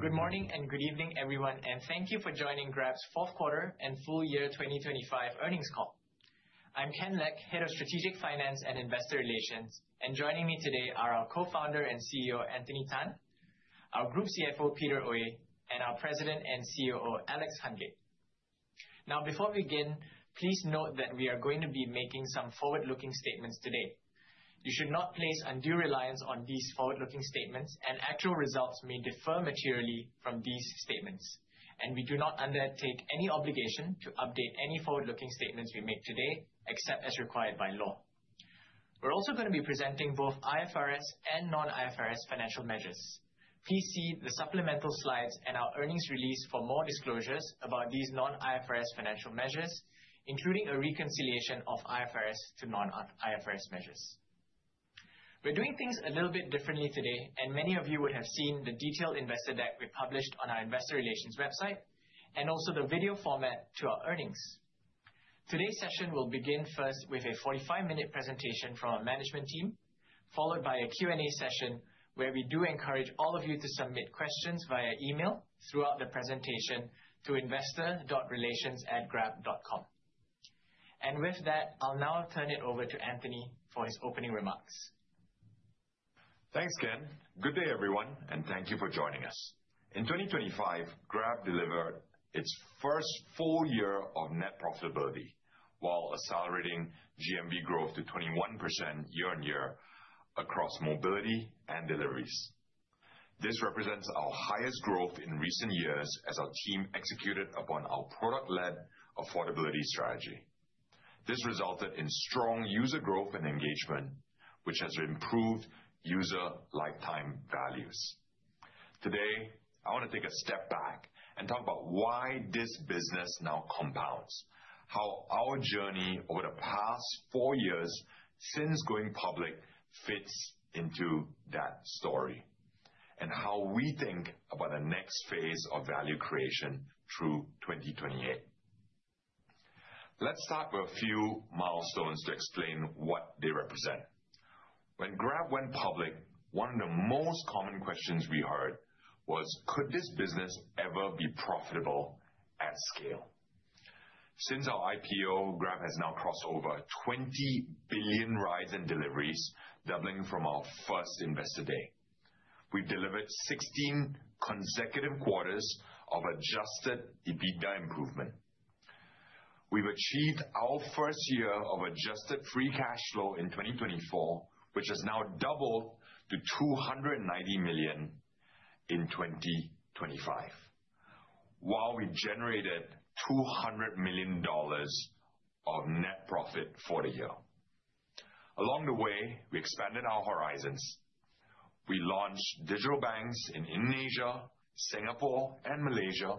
Good morning, and good evening, everyone, and thank you for joining Grab's fourth quarter and full year 2025 earnings call. I'm Ken Lek, Head of Strategic Finance and Investor Relations, and joining me today are our Co-founder and CEO, Anthony Tan, our Group CFO, Peter Oey, and our President and COO, Alex Hungate. Now, before we begin, please note that we are going to be making some forward-looking statements today. You should not place undue reliance on these forward-looking statements, and actual results may differ materially from these statements. We do not undertake any obligation to update any forward-looking statements we make today, except as required by law. We're also going to be presenting both IFRS and non-IFRS financial measures. Please see the supplemental slides and our earnings release for more disclosures about these non-IFRS financial measures, including a reconciliation of IFRS to non-IFRS measures. We're doing things a little bit differently today, and many of you would have seen the detailed investor deck we published on our investor relations website, and also the video format to our earnings. Today's session will begin first with a 45-minute presentation from our management team, followed by a Q and A session, where we do encourage all of you to submit questions via email throughout the presentation to investor.relations@grab.com. With that, I'll now turn it over to Anthony for his opening remarks. Thanks, Ken. Good day, everyone, and thank you for joining us. In 2025, Grab delivered its first full year of net profitability, while accelerating GMV growth to 21% year-on-year across mobility and deliveries. This represents our highest growth in recent years as our team executed upon our product-led affordability strategy. This resulted in strong user growth and engagement, which has improved user lifetime values. Today, I want to take a step back and talk about why this business now compounds, how our journey over the past four years since going public fits into that story, and how we think about the next phase of value creation through 2028. Let's start with a few milestones to explain what they represent. When Grab went public, one of the most common questions we heard was: Could this business ever be profitable at scale? Since our IPO, Grab has now crossed over 20 billion rides and deliveries, doubling from our first Investor Day. We delivered 16 consecutive quarters of Adjusted EBITDA improvement. We've achieved our first year of Adjusted Free Cash Flow in 2024, which has now doubled to $290 million in 2025, while we generated $200 million of net profit for the year. Along the way, we expanded our horizons. We launched digital banks in Indonesia, Singapore, and Malaysia.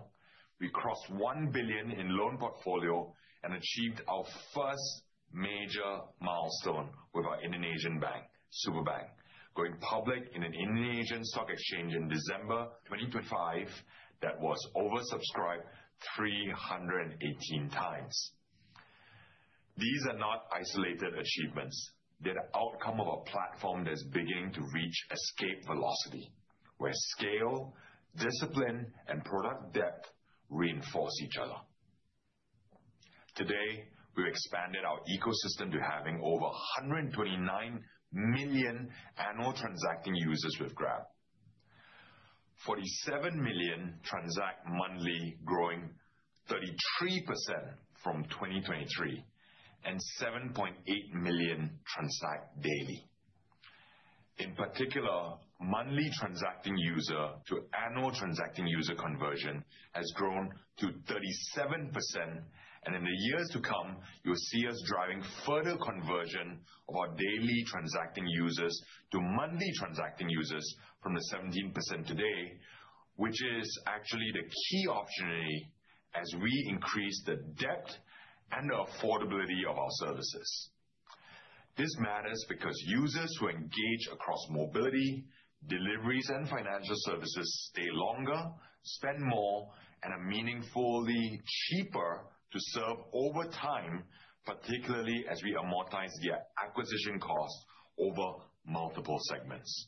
We crossed $1 billion in loan portfolio and achieved our first major milestone with our Indonesian bank, Superbank, going public in an Indonesian stock exchange in December 2025, that was oversubscribed 318 times. These are not isolated achievements. They're the outcome of a platform that's beginning to reach escape velocity, where scale, discipline, and product depth reinforce each other. Today, we've expanded our ecosystem to having over 129 million annual transacting users with Grab. 47 million transact monthly, growing 33% from 2023, and 7.8 million transact daily. In particular, monthly transacting user to annual transacting user conversion has grown to 37%, and in the years to come, you'll see us driving further conversion of our daily transacting users to monthly transacting users from the 17% today, which is actually the key opportunity as we increase the depth and affordability of our services. This matters because users who engage across mobility, deliveries, and financial services stay longer, spend more, and are meaningfully cheaper to serve over time, particularly as we amortize the acquisition costs over multiple segments.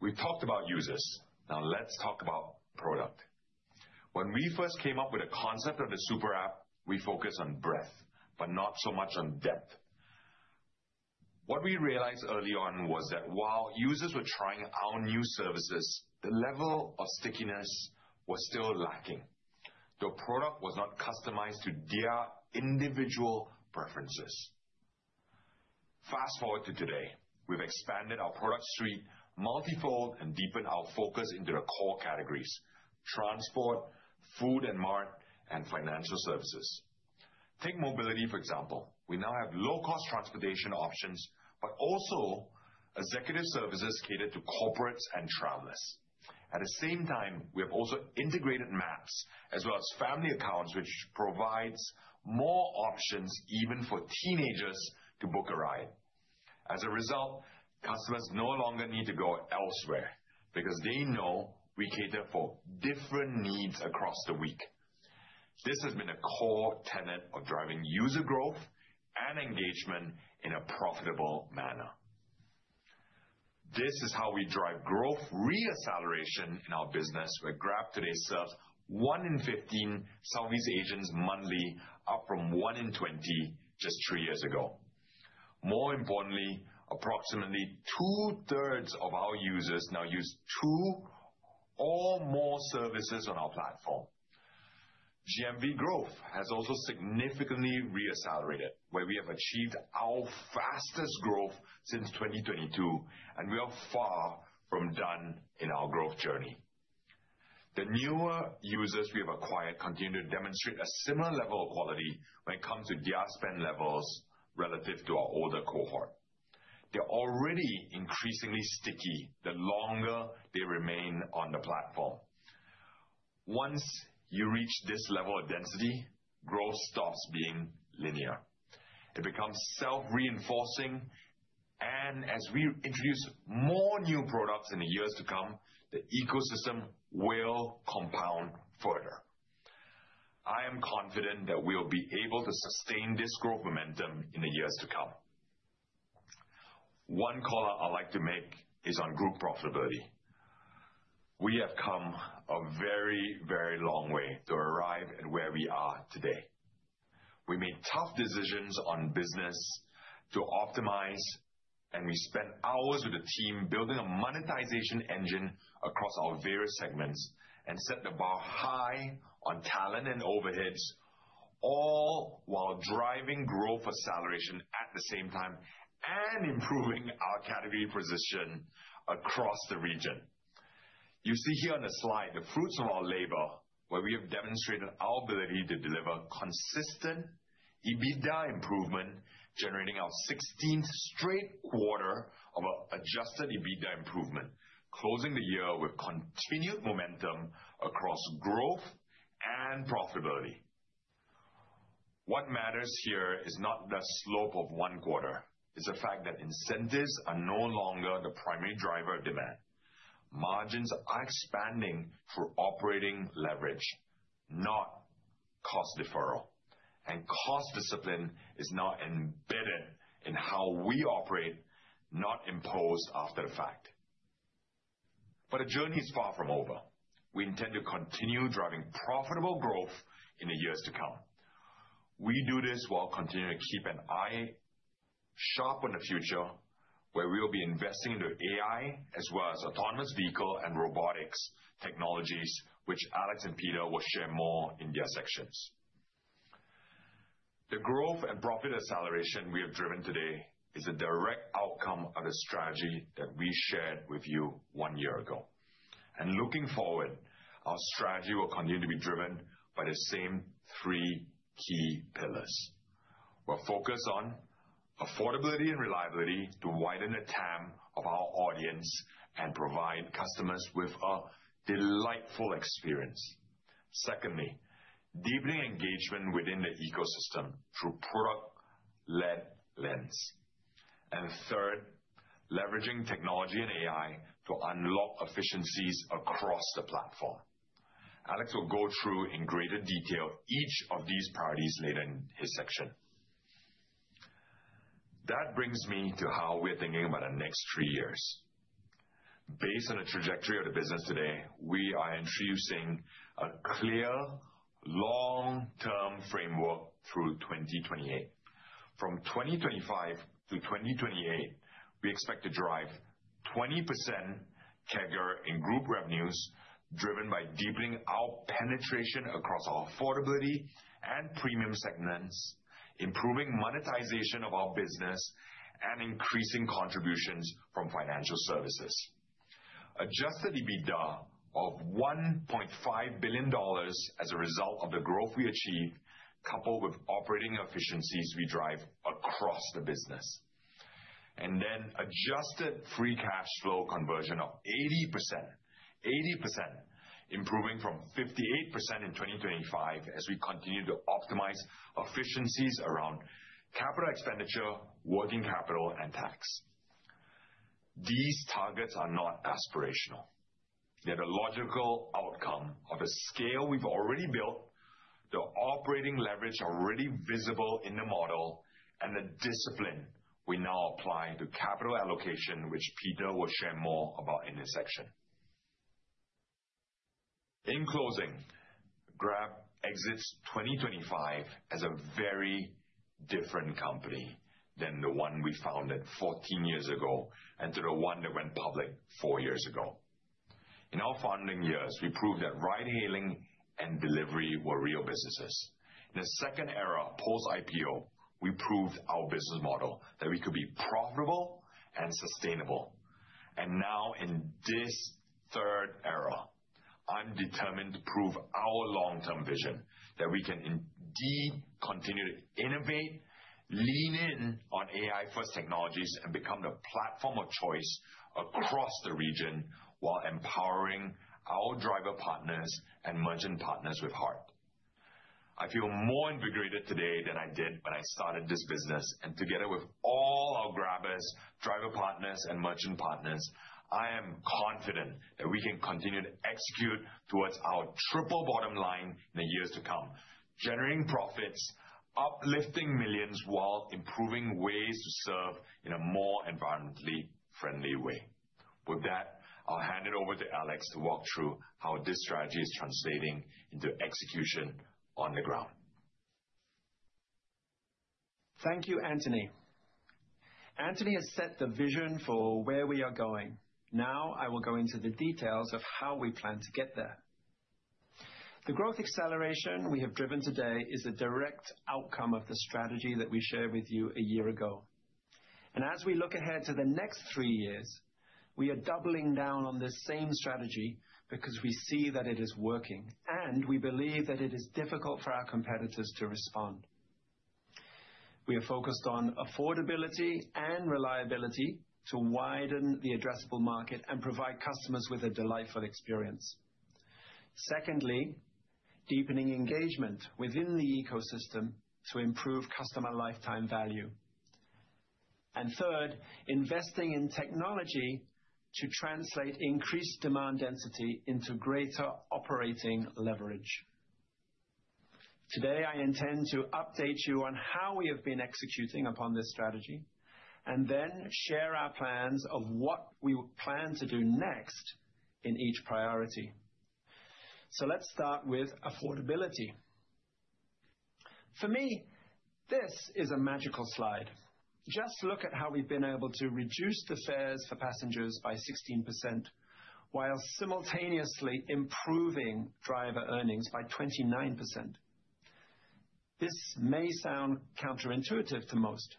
We've talked about users. Now, let's talk about product. When we first came up with the concept of a super app, we focused on breadth, but not so much on depth. What we realized early on was that while users were trying our new services, the level of stickiness was still lacking. The product was not customized to their individual preferences. Fast-forward to today, we've expanded our product suite multifold and deepened our focus into the core categories: transport, food and mart, and financial services. Take mobility, for example. We now have low-cost transportation options, but also executive services catered to corporates and travelers. At the same time, we have also integrated maps as well as family accounts, which provides more options, even for teenagers to book a ride. As a result, customers no longer need to go elsewhere because they know we cater for different needs across the week. This has been a core tenet of driving user growth and engagement in a profitable manner. This is how we drive growth re-acceleration in our business, where Grab today serves one in 15 Southeast Asians monthly, up from one in 20 just three years ago. More importantly, approximately 2/3 of our users now use two or more services on our platform. GMV growth has also significantly re-accelerated, where we have achieved our fastest growth since 2022, and we are far from done in our growth journey. The newer users we have acquired continue to demonstrate a similar level of quality when it comes to retention or GMV spend levels relative to our older cohort. They're already increasingly sticky the longer they remain on the platform. Once you reach this level of density, growth stops being linear. It becomes self-reinforcing, and as we introduce more new products in the years to come, the ecosystem will compound further. I am confident that we will be able to sustain this growth momentum in the years to come. One call-out I'd like to make is on group profitability. We have come a very, very long way to arrive at where we are today. We made tough decisions on business to optimize, and we spent hours with the team building a monetization engine across our various segments and set the bar high on talent and overheads, all while driving growth acceleration at the same time and improving our category position across the region. You see here on the slide, the fruits of our labor, where we have demonstrated our ability to deliver consistent EBITDA improvement, generating our 16th straight quarter of Adjusted EBITDA improvement, closing the year with continued momentum across growth and profitability. What matters here is not the slope of one quarter, it's the fact that incentives are no longer the primary driver of demand. Margins are expanding through operating leverage, not cost deferral. And cost discipline is now embedded in how we operate, not imposed after the fact. But the journey is far from over. We intend to continue driving profitable growth in the years to come. We do this while continuing to keep an eye sharp on the future, where we will be investing into AI as well as autonomous vehicle and robotics technologies, which Alex and Peter will share more in their sections. The growth and profit acceleration we have driven today is a direct outcome of the strategy that we shared with you one year ago. Looking forward, our strategy will continue to be driven by the same three key pillars. We're focused on affordability and reliability to widen the TAM of our audience and provide customers with a delightful experience. Secondly, deepening engagement within the ecosystem through product-led lens. And third, leveraging technology and AI to unlock efficiencies across the platform. Alex will go through in greater detail each of these priorities later in his section. That brings me to how we're thinking about the next three years. Based on the trajectory of the business today, we are introducing a clear, long-term framework through 2028. From 2025 to 2028, we expect to drive 20% CAGR in group revenues, driven by deepening our penetration across our affordability and premium segments, improving monetization of our business, and increasing contributions from financial services. Adjusted EBITDA of $1.5 billion as a result of the growth we achieved, coupled with operating efficiencies we drive across the business. And then adjusted free cash flow conversion of 80%, 80%, improving from 58% in 2025 as we continue to optimize efficiencies around capital expenditure, working capital, and tax. These targets are not aspirational. They're the logical outcome of a scale we've already built, the operating leverage already visible in the model, and the discipline we now apply to capital allocation, which Peter will share more about in this section. In closing, Grab exits 2025 as a very different company than the one we founded 14 years ago, and to the one that went public four years ago. In our founding years, we proved that ride hailing and delivery were real businesses. In the second era, post-IPO, we proved our business model, that we could be profitable and sustainable. And now, in this third era, I'm determined to prove our long-term vision, that we can indeed continue to innovate, lean in on AI-first technologies, and become the platform of choice across the region while empowering our driver partners and merchant partners with heart. I feel more invigorated today than I did when I started this business, and together with all— Grabbers, driver partners, and merchant partners, I am confident that we can continue to execute towards our triple bottom line in the years to come, generating profits, uplifting millions, while improving ways to serve in a more environmentally friendly way. With that, I'll hand it over to Alex to walk through how this strategy is translating into execution on the ground. Thank you, Anthony. Anthony has set the vision for where we are going. Now I will go into the details of how we plan to get there. The growth acceleration we have driven today is a direct outcome of the strategy that we shared with you a year ago. As we look ahead to the next three years, we are doubling down on this same strategy because we see that it is working, and we believe that it is difficult for our competitors to respond. We are focused on affordability and reliability to widen the addressable market and provide customers with a delightful experience. Secondly, deepening engagement within the ecosystem to improve customer lifetime value. Third, investing in technology to translate increased demand density into greater operating leverage. Today, I intend to update you on how we have been executing upon this strategy, and then share our plans of what we plan to do next in each priority. Let's start with affordability. For me, this is a magical slide. Just look at how we've been able to reduce the fares for passengers by 16%, while simultaneously improving driver earnings by 29%. This may sound counterintuitive to most,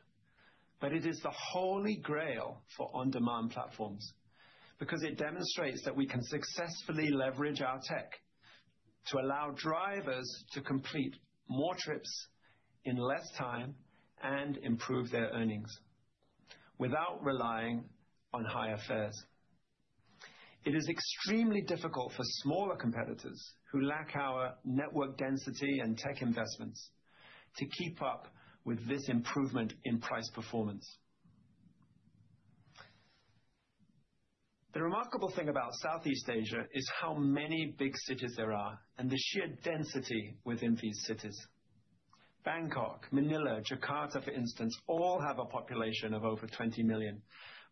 but it is the holy grail for on-demand platforms, because it demonstrates that we can successfully leverage our tech to allow drivers to complete more trips in less time and improve their earnings, without relying on higher fares. It is extremely difficult for smaller competitors who lack our network density and tech investments to keep up with this improvement in price performance. The remarkable thing about Southeast Asia is how many big cities there are and the sheer density within these cities. Bangkok, Manila, Jakarta, for instance, all have a population of over 20 million,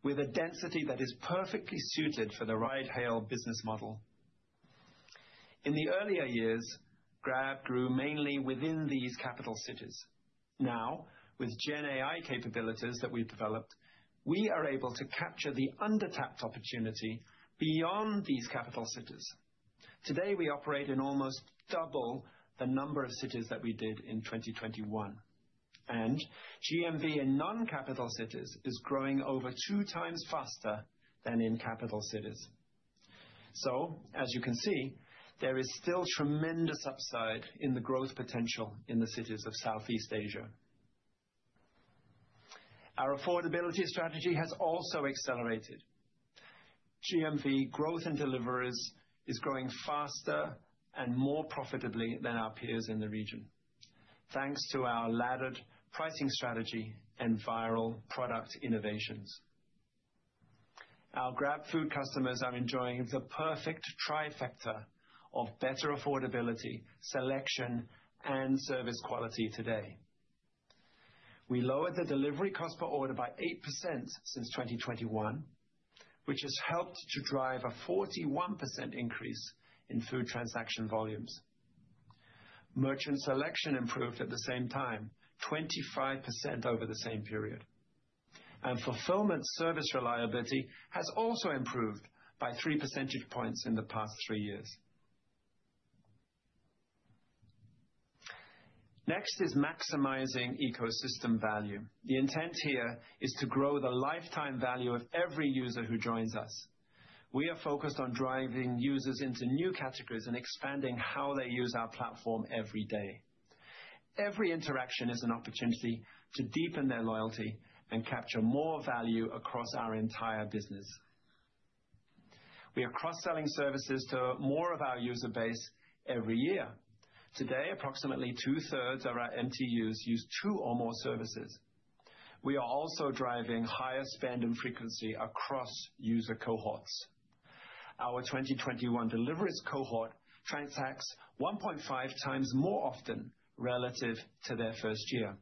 with a density that is perfectly suited for the ride-hail business model. In the earlier years, Grab grew mainly within these capital cities. Now, with GenAI capabilities that we've developed, we are able to capture the undertapped opportunity beyond these capital cities. Today, we operate in almost double the number of cities that we did in 2021, and GMV in non-capital cities is growing over 2 times faster than in capital cities. So as you can see, there is still tremendous upside in the growth potential in the cities of Southeast Asia. Our affordability strategy has also accelerated. GMV growth and deliveries is growing faster and more profitably than our peers in the region, thanks to our laddered pricing strategy and viral product innovations. Our GrabFood customers are enjoying the perfect trifecta of better affordability, selection, and service quality today. We lowered the delivery cost per order by 8% since 2021, which has helped to drive a 41% increase in food transaction volumes. Merchant selection improved at the same time, 25% over the same period, and fulfillment service reliability has also improved by three percentage points in the past three years. Next is maximizing ecosystem value. The intent here is to grow the lifetime value of every user who joins us. We are focused on driving users into new categories and expanding how they use our platform every day. Every interaction is an opportunity to deepen their loyalty and capture more value across our entire business. We are cross-selling services to more of our user base every year. Today, approximately 2/3 of our MTUs use two or more services. We are also driving higher spend and frequency across user cohorts. Our 2021 deliveries cohort transacts 1.5 times more often relative to their first year,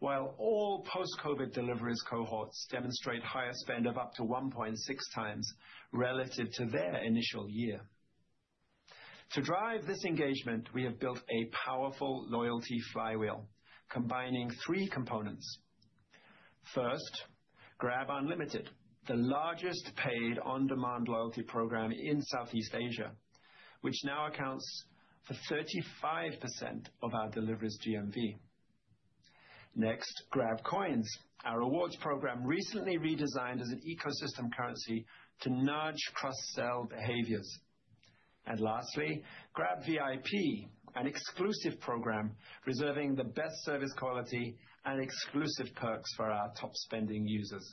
while all post-COVID deliveries cohorts demonstrate higher spend of up to 1.6 times relative to their initial year. To drive this engagement, we have built a powerful loyalty flywheel, combining three components. First, GrabUnlimited, the largest paid on-demand loyalty program in Southeast Asia, which now accounts for 35% of our deliveries GMV. Next, GrabCoins. Our rewards program, recently redesigned as an ecosystem currency to nudge cross-sell behaviors. Lastly, GrabVIP, an exclusive program reserving the best service quality and exclusive perks for our top-spending users.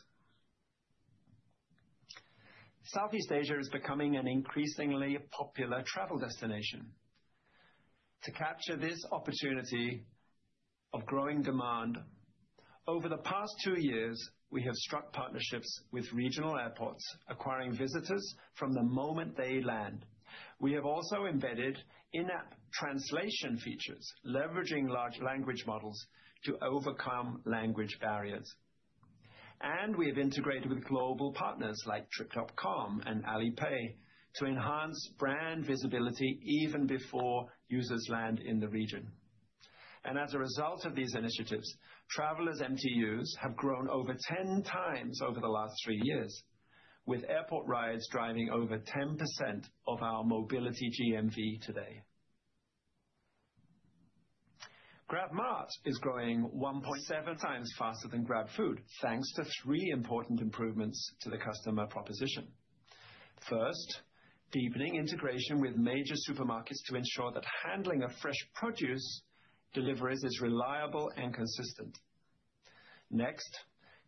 Southeast Asia is becoming an increasingly popular travel destination. To capture this opportunity of growing demand, over the past two years, we have struck partnerships with regional airports, acquiring visitors from the moment they land. We have also embedded in-app translation features, leveraging large language models to overcome language barriers. We have integrated with global partners like Trip.com and Alipay to enhance brand visibility even before users land in the region. As a result of these initiatives, travelers MTUs have grown over 10 times over the last three years, with airport rides driving over 10% of our mobility GMV today. GrabMart is growing 1.7 times faster than GrabFood, thanks to three important improvements to the customer proposition. First, deepening integration with major supermarkets to ensure that handling of fresh produce deliveries is reliable and consistent. Next,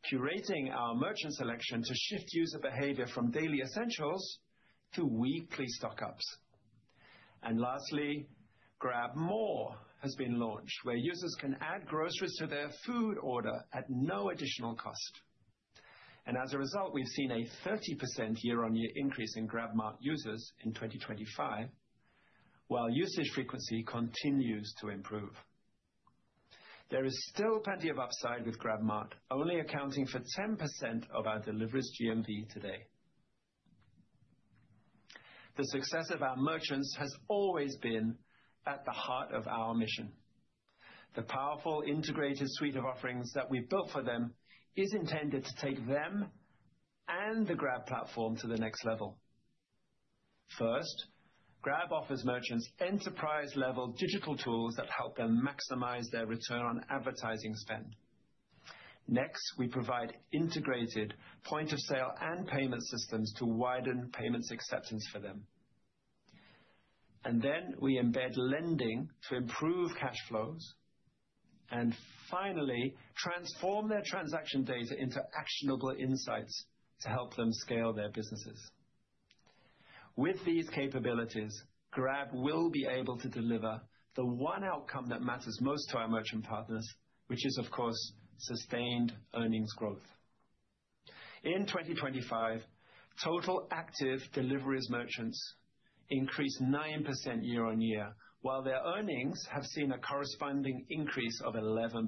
curating our merchant selection to shift user behavior from daily essentials to weekly stock-ups. And lastly, GrabMore has been launched, where users can add groceries to their food order at no additional cost. And as a result, we've seen a 30% year-on-year increase in GrabMart users in 2025, while usage frequency continues to improve. There is still plenty of upside, with GrabMart only accounting for 10% of our deliveries GMV today. The success of our merchants has always been at the heart of our mission. The powerful, integrated suite of offerings that we've built for them is intended to take them and the Grab platform to the next level. First, Grab offers merchants enterprise-level digital tools that help them maximize their return on advertising spend. Next, we provide integrated point-of-sale and payment systems to widen payments acceptance for them. Then we embed lending to improve cash flows, and finally, transform their transaction data into actionable insights to help them scale their businesses. With these capabilities, Grab will be able to deliver the one outcome that matters most to our merchant partners, which is, of course, sustained earnings growth. In 2025, total active deliveries merchants increased 9% year-on-year, while their earnings have seen a corresponding increase of 11%.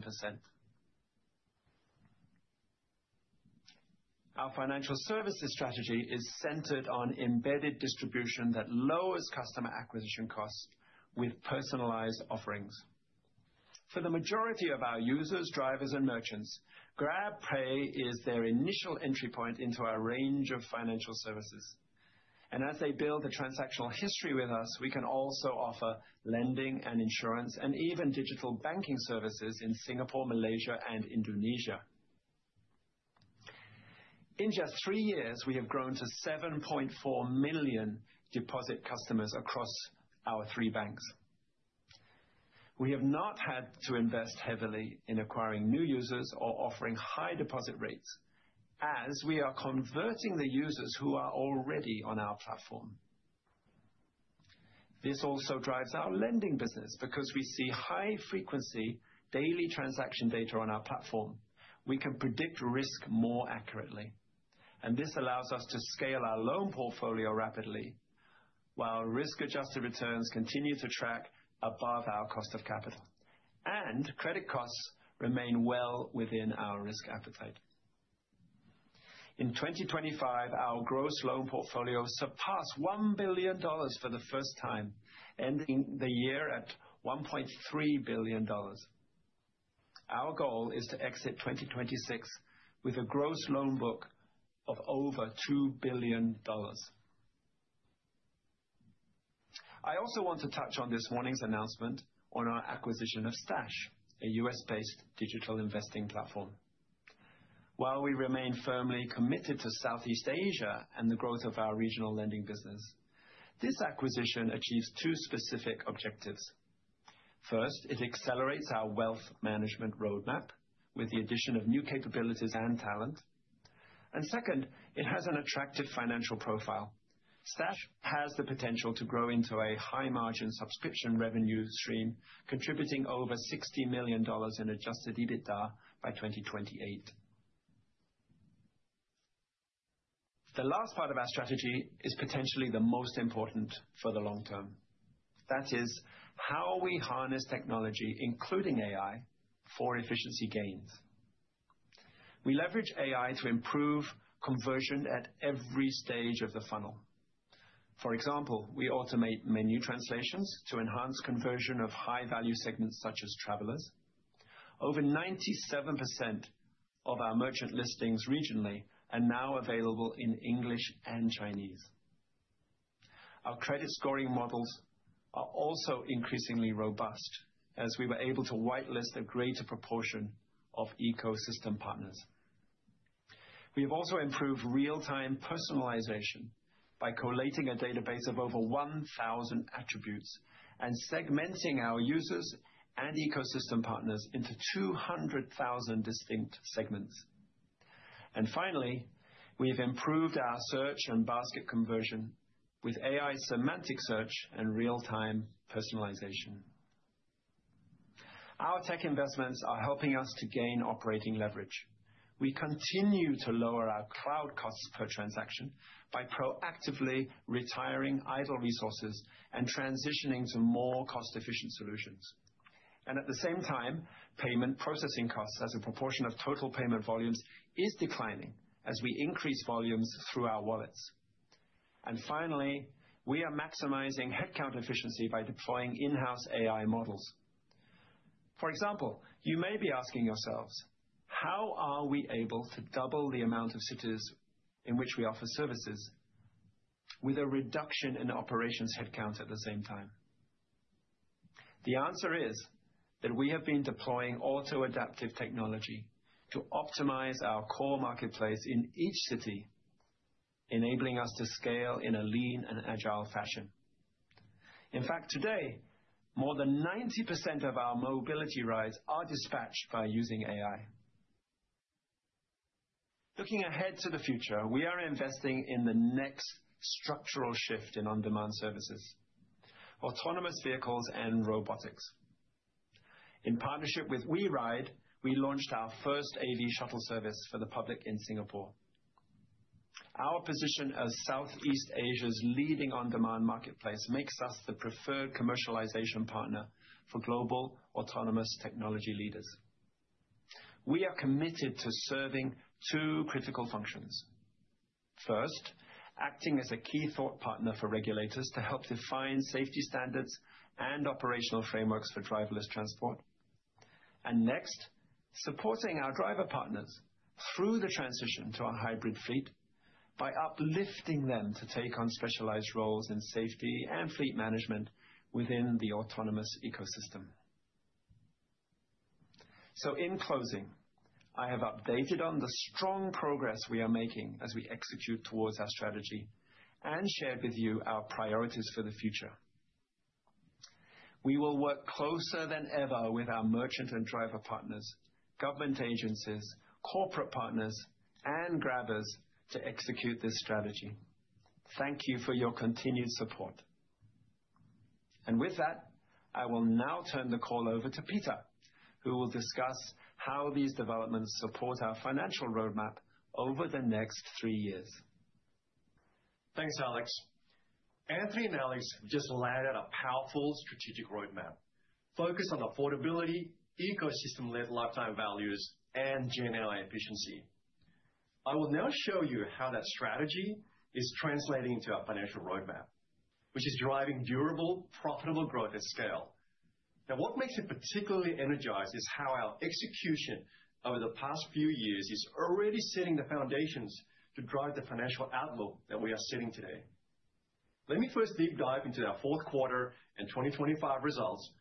Our financial services strategy is centered on embedded distribution that lowers customer acquisition costs with personalized offerings. For the majority of our users, drivers, and merchants, GrabPay is their initial entry point into our range of financial services. As they build a transactional history with us, we can also offer lending and insurance, and even digital banking services in Singapore, Malaysia, and Indonesia. In just three years, we have grown to 7.4 million deposit customers across our three banks. We have not had to invest heavily in acquiring new users or offering high deposit rates, as we are converting the users who are already on our platform. This also drives our lending business. Because we see high frequency daily transaction data on our platform, we can predict risk more accurately, and this allows us to scale our loan portfolio rapidly, while risk-adjusted returns continue to track above our cost of capital, and credit costs remain well within our risk appetite. In 2025, our gross loan portfolio surpassed $1 billion for the first time, ending the year at $1.3 billion. Our goal is to exit 2026 with a gross loan book of over $2 billion. I also want to touch on this morning's announcement on our acquisition of Stash, a U.S.-based digital investing platform. While we remain firmly committed to Southeast Asia and the growth of our regional lending business, this acquisition achieves two specific objectives. First, it accelerates our wealth management roadmap with the addition of new capabilities and talent. Second, it has an attractive financial profile. Stash has the potential to grow into a high-margin subscription revenue stream, contributing over $60 million in Adjusted EBITDA by 2028. The last part of our strategy is potentially the most important for the long term. That is how we harness technology, including AI, for efficiency gains. We leverage AI to improve conversion at every stage of the funnel. For example, we automate menu translations to enhance conversion of high-value segments, such as travelers. Over 97% of our merchant listings regionally are now available in English and Chinese. Our credit scoring models are also increasingly robust, as we were able to whitelist a greater proportion of ecosystem partners. We have also improved real-time personalization, by collating a database of over 1,000 attributes and segmenting our users and ecosystem partners into 200,000 distinct segments. And finally, we've improved our search and basket conversion with AI semantic search and real-time personalization. Our tech investments are helping us to gain operating leverage. We continue to lower our cloud costs per transaction by proactively retiring idle resources and transitioning to more cost-efficient solutions. And at the same time, payment processing costs as a proportion of total payment volumes is declining as we increase volumes through our wallets. And finally, we are maximizing headcount efficiency by deploying in-house AI models. For example, you may be asking yourselves, how are we able to double the amount of cities in which we offer services with a reduction in operations headcount at the same time? The answer is that we have been deploying auto-adaptive technology to optimize our core marketplace in each city, enabling us to scale in a lean and agile fashion. In fact, today, more than 90% of our mobility rides are dispatched by using AI. Looking ahead to the future, we are investing in the next structural shift in on-demand services, autonomous vehicles and robotics. In partnership with WeRide, we launched our first AV shuttle service for the public in Singapore. Our position as Southeast Asia's leading on-demand marketplace makes us the preferred commercialization partner for global autonomous technology leaders. We are committed to serving two critical functions. First, acting as a key thought partner for regulators to help define safety standards and operational frameworks for driverless transport. And next, supporting our driver partners through the transition to a hybrid fleet by uplifting them to take on specialized roles in safety and fleet management within the autonomous ecosystem. So in closing, I have updated on the strong progress we are making as we execute towards our strategy and shared with you our priorities for the future. We will work closer than ever with our merchant and driver partners, government agencies, corporate partners, and Grabbers to execute this strategy. Thank you for your continued support. And with that, I will now turn the call over to Peter, who will discuss how these developments support our financial roadmap over the next three years. Thanks, Alex. Anthony and Alex just laid out a powerful strategic roadmap focused on affordability, ecosystem-led lifetime values, and GenAI efficiency. I will now show you how that strategy is translating into our financial roadmap, which is driving durable, profitable growth at scale. Now, what makes it particularly energized is how our execution over the past few years is already setting the foundations to drive the financial outlook that we are setting today. Let me first deep dive into our fourth quarter and 2025 results,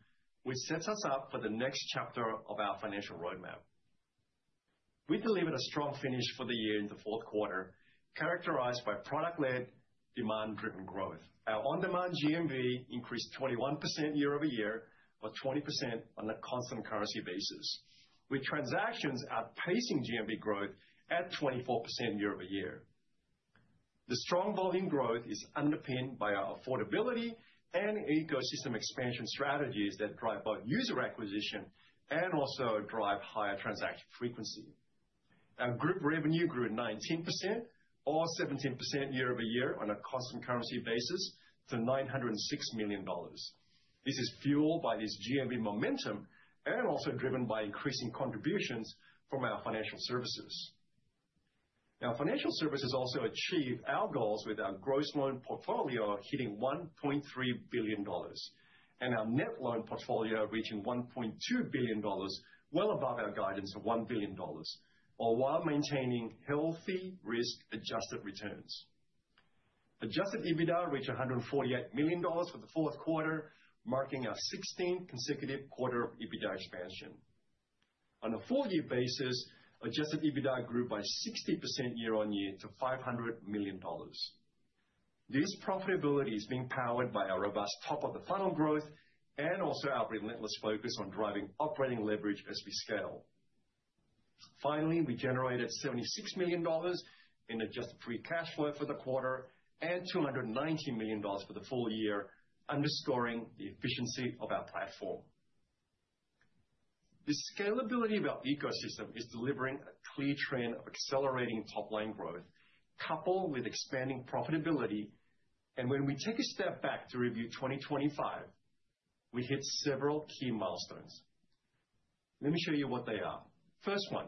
which sets us up for the next chapter of our financial roadmap. We delivered a strong finish for the year in the fourth quarter, characterized by product-led, demand-driven growth. Our on-demand GMV increased 21% year-over-year, or 20% on a constant currency basis, with transactions outpacing GMV growth at 24% year-over-year. The strong volume growth is underpinned by our affordability and ecosystem expansion strategies that drive both user acquisition and also drive higher transaction frequency. Our group revenue grew 19%, or 17% year-over-year on a constant currency basis, to $906 million. This is fueled by this GMV momentum and also driven by increasing contributions from our financial services. Now, financial services also achieve our goals, with our gross loan portfolio hitting $1.3 billion and our net loan portfolio reaching $1.2 billion, well above our guidance of $1 billion, all while maintaining healthy risk-adjusted returns. Adjusted EBITDA reached $148 million for the fourth quarter, marking our 16th consecutive quarter of EBITDA expansion. On a full year basis, Adjusted EBITDA grew by 60% year-over-year to $500 million. This profitability is being powered by our robust top-of-the-funnel growth and also our relentless focus on driving operating leverage as we scale. Finally, we generated $76 million in Adjusted Free Cash Flow for the quarter and $290 million for the full year, underscoring the efficiency of our platform. The scalability of our ecosystem is delivering a clear trend of accelerating top-line growth, coupled with expanding profitability, and when we take a step back to review 2025, we hit several key milestones. Let me show you what they are. First one,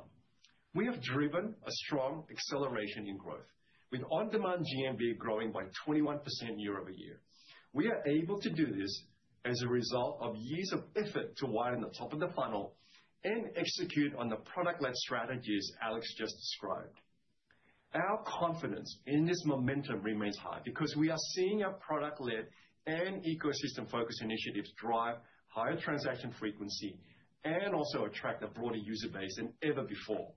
we have driven a strong acceleration in growth, with on-demand GMV growing by 21% year-over-year. We are able to do this as a result of years of effort to widen the top of the funnel and execute on the product-led strategies Alex just described. Our confidence in this momentum remains high because we are seeing our product-led and ecosystem-focused initiatives drive higher transaction frequency and also attract a broader user base than ever before.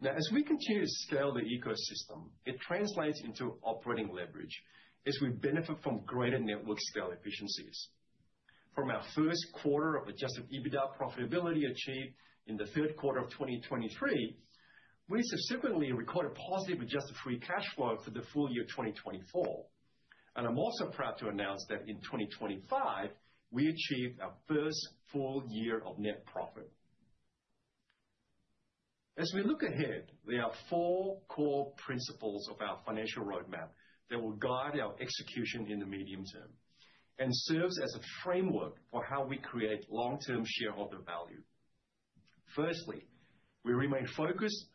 Now, as we continue to scale the ecosystem, it translates into operating leverage as we benefit from greater network scale efficiencies. From our first quarter of Adjusted EBITDA profitability achieved in the third quarter of 2023, we subsequently recorded positive Adjusted Free Cash Flow for the full year of 2024. I'm also proud to announce that in 2025, we achieved our first full year of net profit. As we look ahead, there are four core principles of our financial roadmap that will guide our execution in the medium term and serves as a framework for how we create long-term shareholder value. Firstly, we remain focused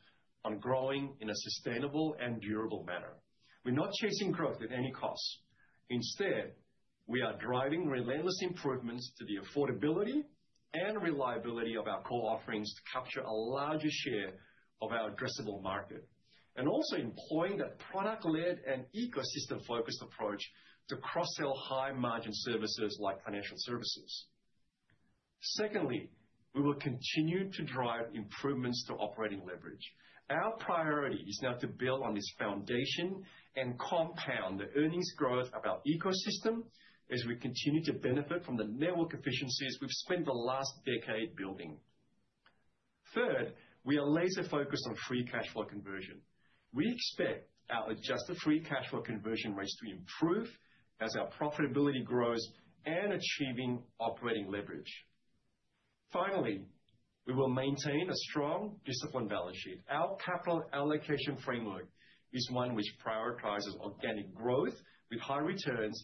on growing in a sustainable and durable manner. We're not chasing growth at any cost. Instead, we are driving relentless improvements to the affordability and reliability of our core offerings to capture a larger share of our addressable market, and also employing a product-led and ecosystem-focused approach to cross-sell high margin services like financial services. Secondly, we will continue to drive improvements to operating leverage. Our priority is now to build on this foundation and compound the earnings growth of our ecosystem as we continue to benefit from the network efficiencies we've spent the last decade building. Third, we are laser focused on free cash flow conversion. We expect our adjusted free cash flow conversion rates to improve as our profitability grows and achieving operating leverage. Finally, we will maintain a strong, disciplined balance sheet. Our capital allocation framework is one which prioritizes organic growth with high returns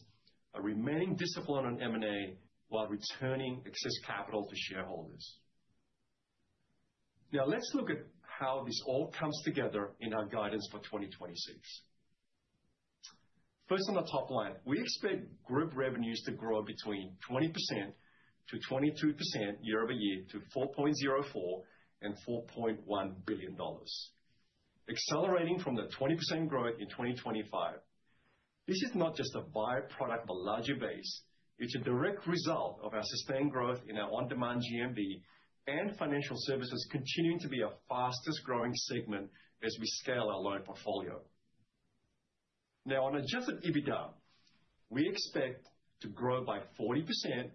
and remaining disciplined on M&A while returning excess capital to shareholders. Now, let's look at how this all comes together in our guidance for 2026. First, on the top line, we expect group revenues to grow 20%-22% year-over-year to $4.04 billion-$4.1 billion, accelerating from the 20% growth in 2025. This is not just a by-product of a larger base, it's a direct result of our sustained growth in our on-demand GMV and financial services continuing to be our fastest growing segment as we scale our loan portfolio. Now, on Adjusted EBITDA, we expect to grow by 40%-44%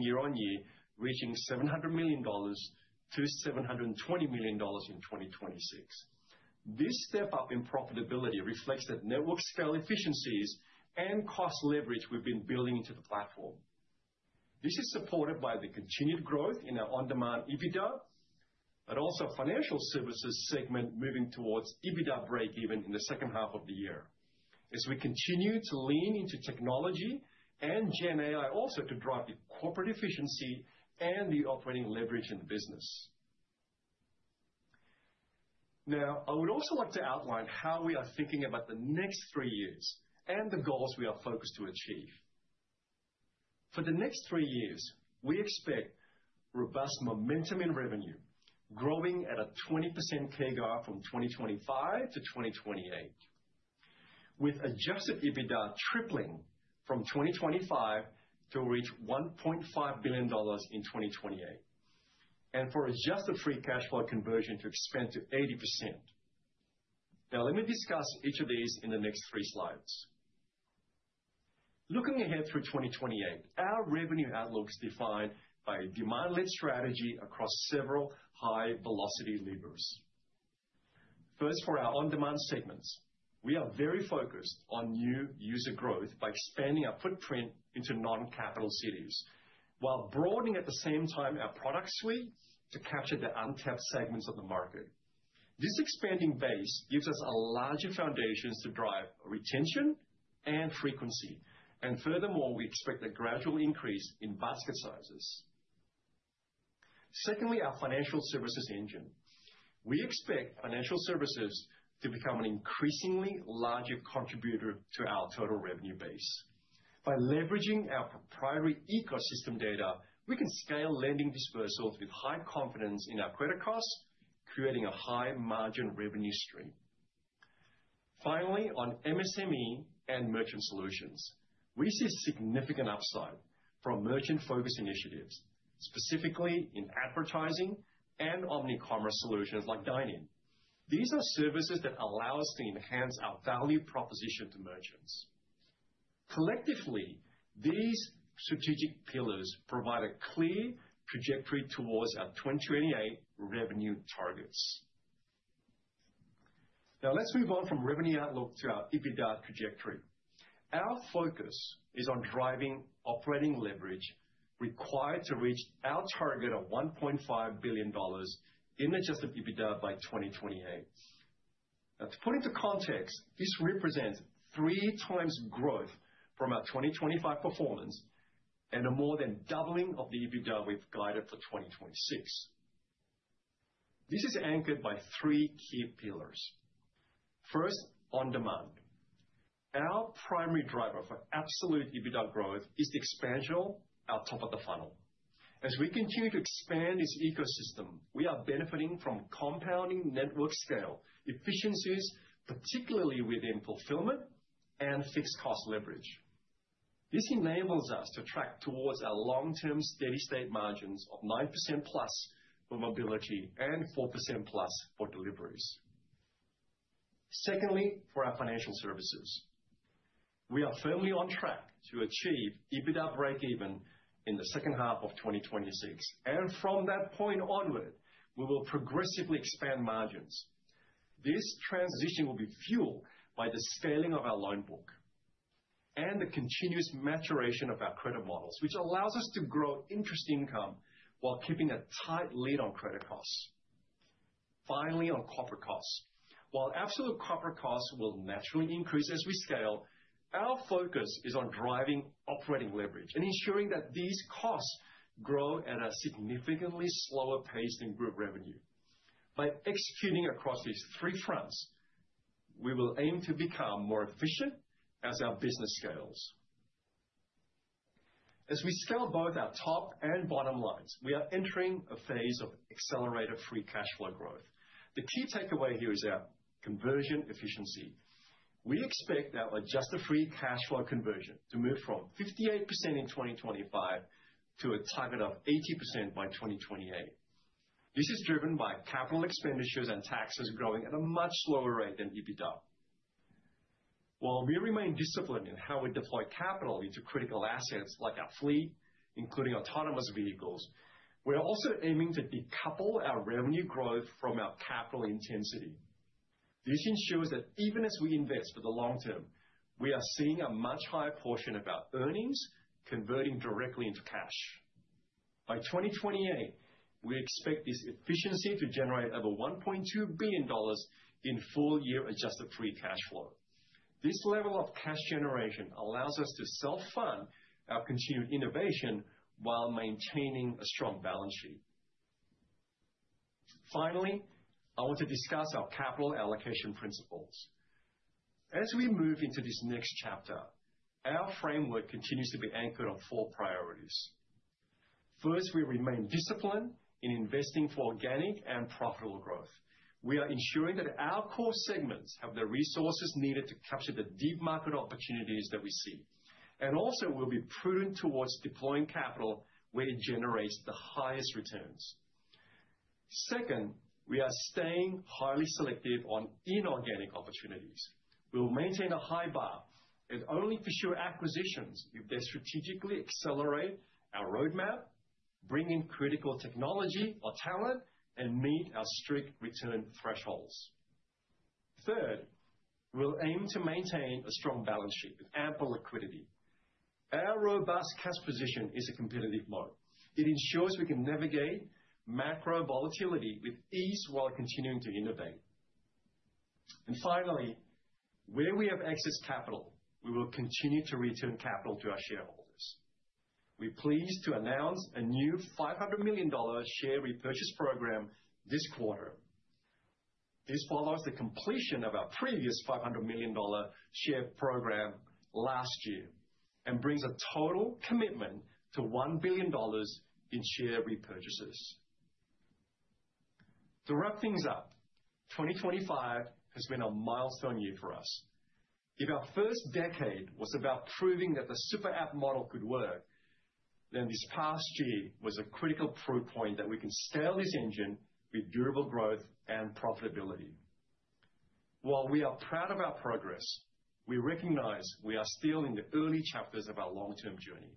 year-over-year, reaching $700 million-$720 million in 2026. This step-up in profitability reflects the network scale efficiencies and cost leverage we've been building into the platform. This is supported by the continued growth in our on-demand EBITDA, but also financial services segment moving towards EBITDA breakeven in the second half of the year as we continue to lean into technology and GenAI also to drive the corporate efficiency and the operating leverage in the business. Now, I would also like to outline how we are thinking about the next three years and the goals we are focused to achieve. For the next three years, we expect robust momentum in revenue, growing at a 20% CAGR from 2025 to 2028, with Adjusted EBITDA tripling from 2025 to reach $1.5 billion in 2028, and for Adjusted Free Cash Flow conversion to expand to 80%. Now, let me discuss each of these in the next three slides. Looking ahead through 2028, our revenue outlook is defined by a demand-led strategy across several high-velocity levers. First, for our on-demand segments, we are very focused on new user growth by expanding our footprint into non-capital cities, while broadening, at the same time, our product suite to capture the untapped segments of the market. This expanding base gives us a larger foundations to drive retention and frequency, and furthermore, we expect a gradual increase in basket sizes. Secondly, our financial services engine. We expect financial services to become an increasingly larger contributor to our total revenue base. By leveraging our proprietary ecosystem data, we can scale lending disbursals with high confidence in our credit costs, creating a high margin revenue stream. Finally, on MSME and merchant solutions, we see significant upside from merchant-focused initiatives, specifically in advertising and omni-commerce solutions like dine-in. These are services that allow us to enhance our value proposition to merchants. Collectively, these strategic pillars provide a clear trajectory towards our 2028 revenue targets. Now, let's move on from revenue outlook to our EBITDA trajectory. Our focus is on driving operating leverage required to reach our target of $1.5 billion in Adjusted EBITDA by 2028. Now, to put into context, this represents three times growth from our 2025 performance and a more than doubling of the EBITDA we've guided for 2026. This is anchored by three key pillars. First, on-demand. Our primary driver for absolute EBITDA growth is the expansion of our top of the funnel. As we continue to expand this ecosystem, we are benefiting from compounding network scale efficiencies, particularly within fulfillment and fixed cost leverage. This enables us to track towards our long-term steady state margins of 9%+ for Mobility and 4%+ for Deliveries. Secondly, for our Financial Services, we are firmly on track to achieve EBITDA breakeven in the second half of 2026, and from that point onward, we will progressively expand margins. This transition will be fueled by the scaling of our loan book and the continuous maturation of our credit models, which allows us to grow interest income while keeping a tight lid on credit costs. Finally, on corporate costs. While absolute corporate costs will naturally increase as we scale, our focus is on driving operating leverage and ensuring that these costs grow at a significantly slower pace than group revenue. By executing across these three fronts, we will aim to become more efficient as our business scales. As we scale both our top and bottom lines, we are entering a phase of accelerated free cash flow growth. The key takeaway here is our conversion efficiency. We expect our Adjusted Free Cash Flow conversion to move from 58% in 2025 to a target of 80% by 2028. This is driven by capital expenditures and taxes growing at a much slower rate than EBITDA. While we remain disciplined in how we deploy capital into critical assets like our fleet, including autonomous vehicles, we are also aiming to decouple our revenue growth from our capital intensity. This ensures that even as we invest for the long term, we are seeing a much higher portion of our earnings converting directly into cash. By 2028, we expect this efficiency to generate over $1.2 billion in full year Adjusted Free Cash Flow. This level of cash generation allows us to self-fund our continued innovation while maintaining a strong balance sheet. Finally, I want to discuss our capital allocation principles. As we move into this next chapter, our framework continues to be anchored on four priorities. First, we remain disciplined in investing for organic and profitable growth. We are ensuring that our core segments have the resources needed to capture the deep market opportunities that we see, and also we'll be prudent towards deploying capital where it generates the highest returns. Second, we are staying highly selective on inorganic opportunities. We will maintain a high bar and only pursue acquisitions if they strategically accelerate our roadmap, bring in critical technology or talent, and meet our strict return thresholds. Third, we'll aim to maintain a strong balance sheet with ample liquidity. Our robust cash position is a competitive moat. It ensures we can navigate macro volatility with ease while continuing to innovate. Finally, where we have excess capital, we will continue to return capital to our shareholders. We're pleased to announce a new $500 million share repurchase program this quarter. This follows the completion of our previous $500 million share program last year and brings a total commitment to $1 billion in share repurchases. To wrap things up, 2025 has been a milestone year for us. If our first decade was about proving that the super app model could work, then this past year was a critical proof point that we can scale this engine with durable growth and profitability. While we are proud of our progress, we recognize we are still in the early chapters of our long-term journey.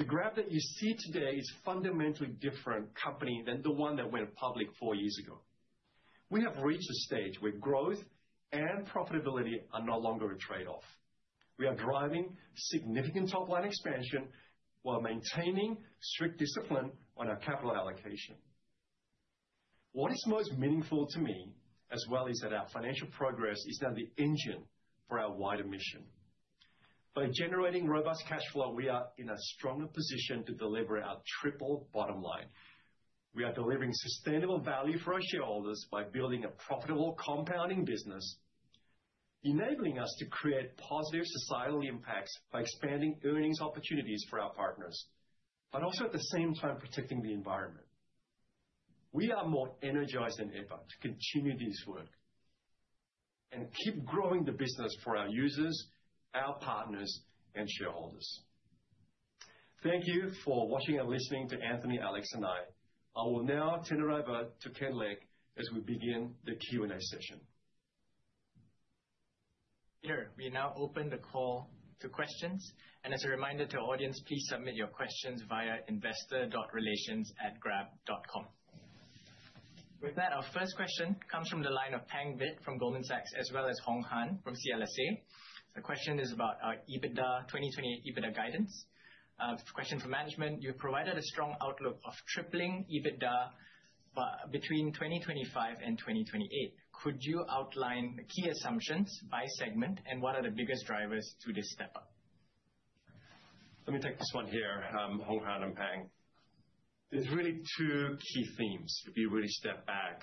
The Grab that you see today is a fundamentally different company than the one that went public four years ago. We have reached a stage where growth and profitability are no longer a trade-off. We are driving significant top-line expansion while maintaining strict discipline on our capital allocation. What is most meaningful to me as well is that our financial progress is now the engine for our wider mission. By generating robust cash flow, we are in a stronger position to deliver our triple bottom line. We are delivering sustainable value for our shareholders by building a profitable compounding business, enabling us to create positive societal impacts by expanding earnings opportunities for our partners, but also at the same time, protecting the environment. We are more energized than ever to continue this work and keep growing the business for our users, our partners, and shareholders. Thank you for watching and listening to Anthony, Alex, and I. I will now turn it over to Ken Lek as we begin the Q and A session. Here, we now open the call to questions, and as a reminder to our audience, please submit your questions via investor.relations@grab.com. With that, our first question comes from the line of Pang Vitt from Goldman Sachs, as well as Horng Han Low from CLSA. The question is about our EBITDA, 2028 EBITDA guidance. Question for management: You've provided a strong outlook of tripling EBITDA, but between 2025 and 2028. Could you outline the key assumptions by segment, and what are the biggest drivers to this step up? Let me take this one here, Hornghan and Pang. There's really two key themes if you really step back,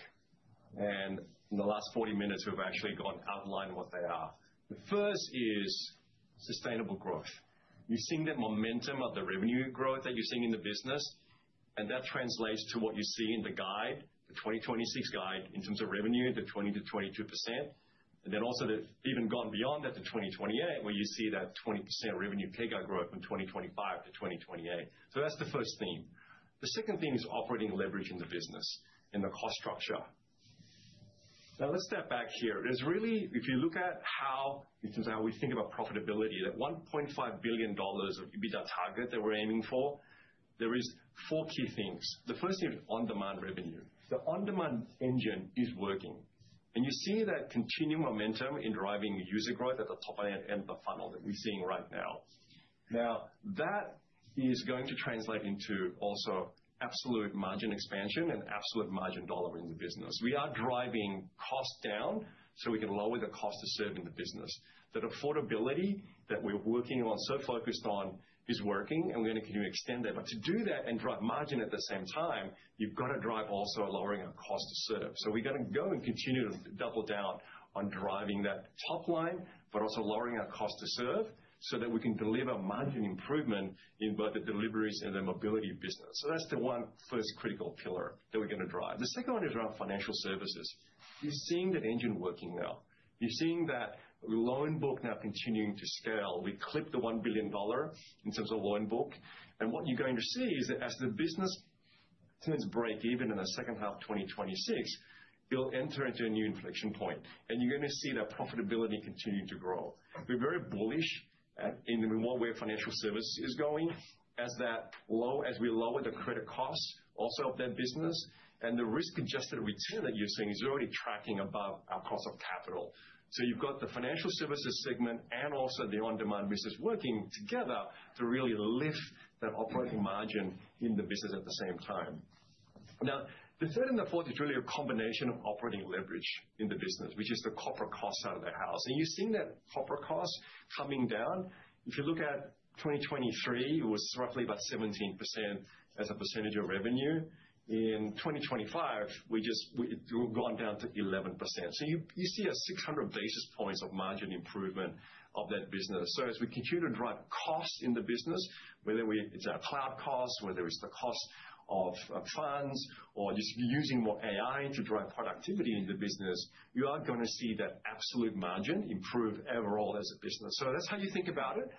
and in the last 40 minutes, we've actually outlined what they are. The first is sustainable growth. You're seeing the momentum of the revenue growth that you're seeing in the business. And that translates to what you see in the guide, the 2026 guide, in terms of revenue, the 20%-22%. And then also they've even gone beyond that to 2028, where you see that 20% revenue CAGR growth from 2025 to 2028. So that's the first theme. The second theme is operating leverage in the business and the cost structure. Now, let's step back here. There's really, if you look at how, in terms of how we think about profitability, that $1.5 billion EBITDA target that we're aiming for, there is four key things. The first thing is on-demand revenue. The on-demand engine is working, and you see that continued momentum in driving user growth at the top end of the funnel that we're seeing right now. Now, that is going to translate into also absolute margin expansion and absolute margin dollar in the business. We are driving costs down, so we can lower the cost to serve in the business. That affordability that we're working on, so focused on, is working, and we're going to continue to extend that. But to do that and drive margin at the same time, you've got to drive also a lowering of cost to serve. So we're gonna go and continue to double down on driving that top line, but also lowering our cost to serve, so that we can deliver margin improvement in both the deliveries and the mobility business. So that's the one first critical pillar that we're going to drive. The second one is around financial services. You're seeing that engine working now. You're seeing that loan book now continuing to scale. We clipped the $1 billion in terms of loan book, and what you're going to see is that as the business turns breakeven in the second half of 2026, it'll enter into a new inflection point, and you're going to see that profitability continue to grow. We're very bullish on the way financial services is going, as we lower the credit costs also of that business, and the risk-adjusted return that you're seeing is already tracking above our cost of capital. So you've got the financial services segment and also the on-demand business working together to really lift that operating margin in the business at the same time. Now, the third and the fourth is really a combination of operating leverage in the business, which is the corporate cost out of the house, and you're seeing that corporate cost coming down. If you look at 2023, it was roughly about 17% as a percentage of revenue. In 2025, we've gone down to 11%. So you see a 600 basis points of margin improvement of that business. S.o as we continue to drive costs in the business, whether it's our cloud costs, whether it's the cost of funds or just using more AI to drive productivity in the business, you are going to see that absolute margin improve overall as a business. So that's how you think about it.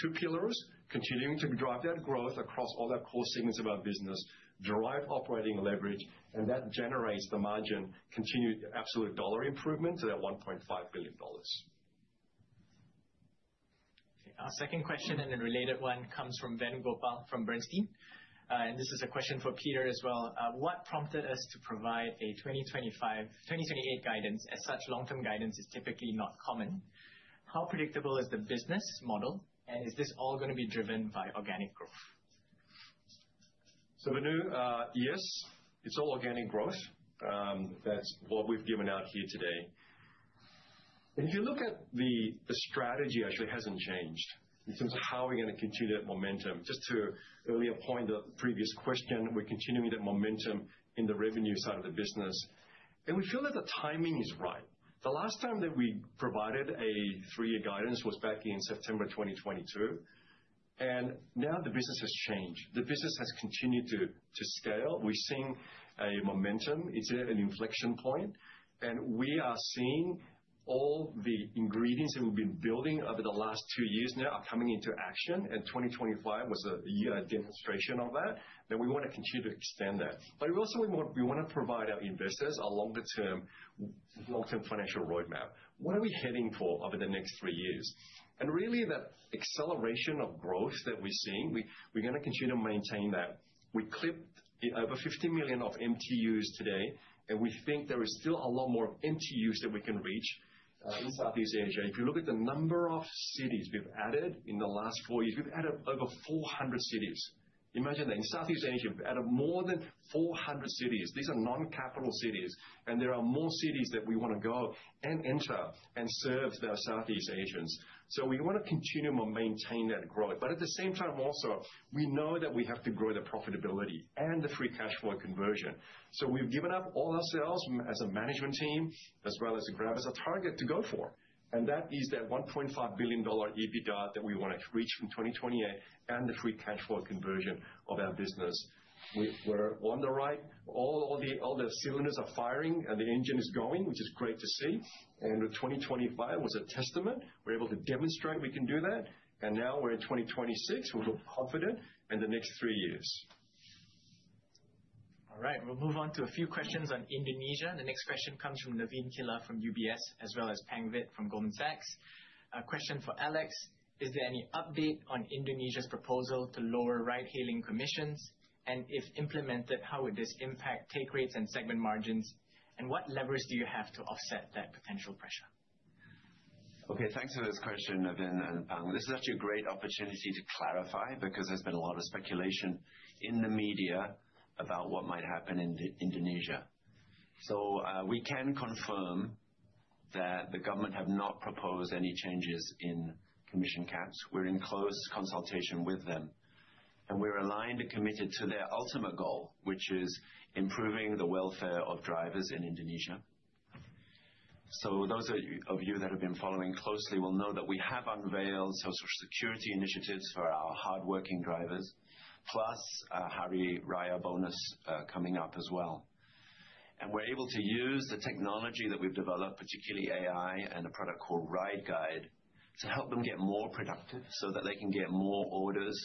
Two pillars, continuing to drive that growth across all our core segments of our business, drive operating leverage, and that generates the margin, continued absolute dollar improvement to that $1.5 billion. Our second question, and a related one, comes from Venugopal from Bernstein. And this is a question for Peter as well: What prompted us to provide a 2025-2028 guidance, as such long-term guidance is typically not common? How predictable is the business model, and is this all going to be driven by organic growth? So Venu, yes, it's all organic growth. That's what we've given out here today. If you look at the strategy actually hasn't changed in terms of how we're going to continue that momentum. Just to earlier point, the previous question, we're continuing that momentum in the revenue side of the business, and we feel that the timing is right. The last time that we provided a three-year guidance was back in September 2022, and now the business has changed. The business has continued to scale. We're seeing a momentum. It's at an inflection point, and we are seeing all the ingredients that we've been building over the last two years now are coming into action, and 2025 was a demonstration of that, that we want to continue to extend that. But we also we want, we want to provide our investors a longer term, long-term financial roadmap. What are we heading for over the next three years? And really, that acceleration of growth that we're seeing, we, we're going to continue to maintain that. We clipped over 50 million of MTUs today, and we think there is still a lot more MTUs that we can reach in Southeast Asia. If you look at the number of cities we've added in the last four years, we've added over 400 cities. Imagine that. In Southeast Asia, we've added more than 400 cities. These are non-capital cities, and there are more cities that we want to go and enter and serve the Southeast Asians. So we want to continue and maintain that growth. But at the same time, also, we know that we have to grow the profitability and the free cash flow conversion. So we've given ourselves, as a management team, as well as Grab, as a target to go for, and that is that $1.5 billion EBITDA that we want to reach from 2028 and the free cash flow conversion of our business. We're on the right. All the cylinders are firing and the engine is going, which is great to see. And with 2025 was a testament. We're able to demonstrate we can do that, and now we're in 2026, we look confident in the next three years. All right. We'll move on to a few questions on Indonesia. The next question comes from Navin Killa from UBS, as well as Pang Vitt from Goldman Sachs. A question for Alex: Is there any update on Indonesia's proposal to lower ride-hailing commissions? And if implemented, how would this impact take rates and segment margins, and what levers do you have to offset that potential pressure? Okay, thanks for this question, Navin and Pang. This is actually a great opportunity to clarify, because there's been a lot of speculation in the media about what might happen in Indonesia. So, we can confirm that the government have not proposed any changes in commission caps. We're in close consultation with them, and we're aligned and committed to their ultimate goal, which is improving the welfare of drivers in Indonesia. So those of you that have been following closely will know that we have unveiled social security initiatives for our hardworking drivers, plus Hari Raya bonus coming up as well. And we're able to use the technology that we've developed, particularly AI and a product called Ride Guide, to help them get more productive so that they can get more orders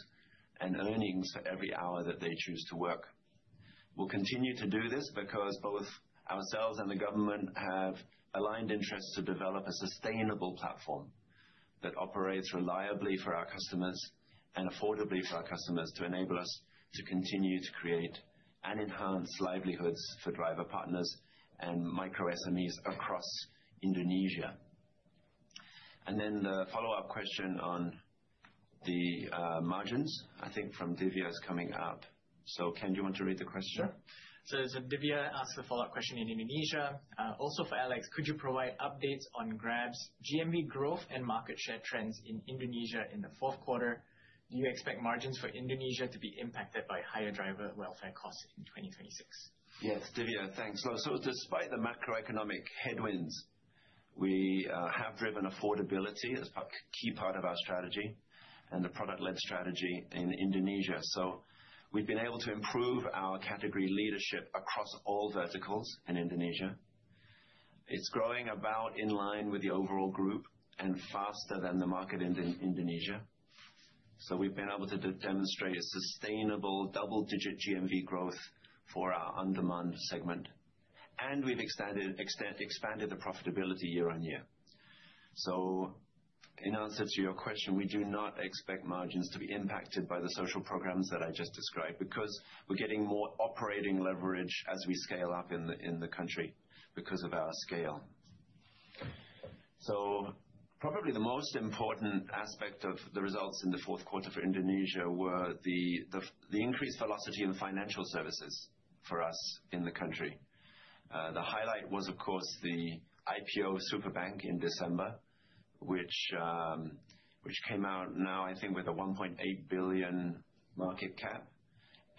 and earnings for every hour that they choose to work. We'll continue to do this because both ourselves and the government have aligned interests to develop a sustainable platform that operates reliably for our customers and affordably for our customers, to enable us to continue to create and enhance livelihoods for driver partners and micro SMEs across Indonesia. And then the follow-up question on the margins, I think from Divya, is coming up. So, Ken, do you want to read the question? Sure. So as Divya asked the follow-up question in Indonesia: "Also for Alex, could you provide updates on Grab's GMV growth and market share trends in Indonesia in the fourth quarter? Do you expect margins for Indonesia to be impacted by higher driver welfare costs in 2026? Yes, Divya, thanks. So despite the macroeconomic headwinds, we have driven affordability as part, key part of our strategy and the product-led strategy in Indonesia. So we've been able to improve our category leadership across all verticals in Indonesia. It's growing about in line with the overall group and faster than the market in Indonesia. So we've been able to demonstrate a sustainable double-digit GMV growth for our on-demand segment. And we've expanded the profitability year on year. So in answer to your question, we do not expect margins to be impacted by the social programs that I just described, because we're getting more operating leverage as we scale up in the country because of our scale. So probably the most important aspect of the results in the fourth quarter for Indonesia were the increased velocity in financial services for us in the country. The highlight was, of course, the IPO Superbank in December, which came out now, I think, with a $1.8 billion market cap,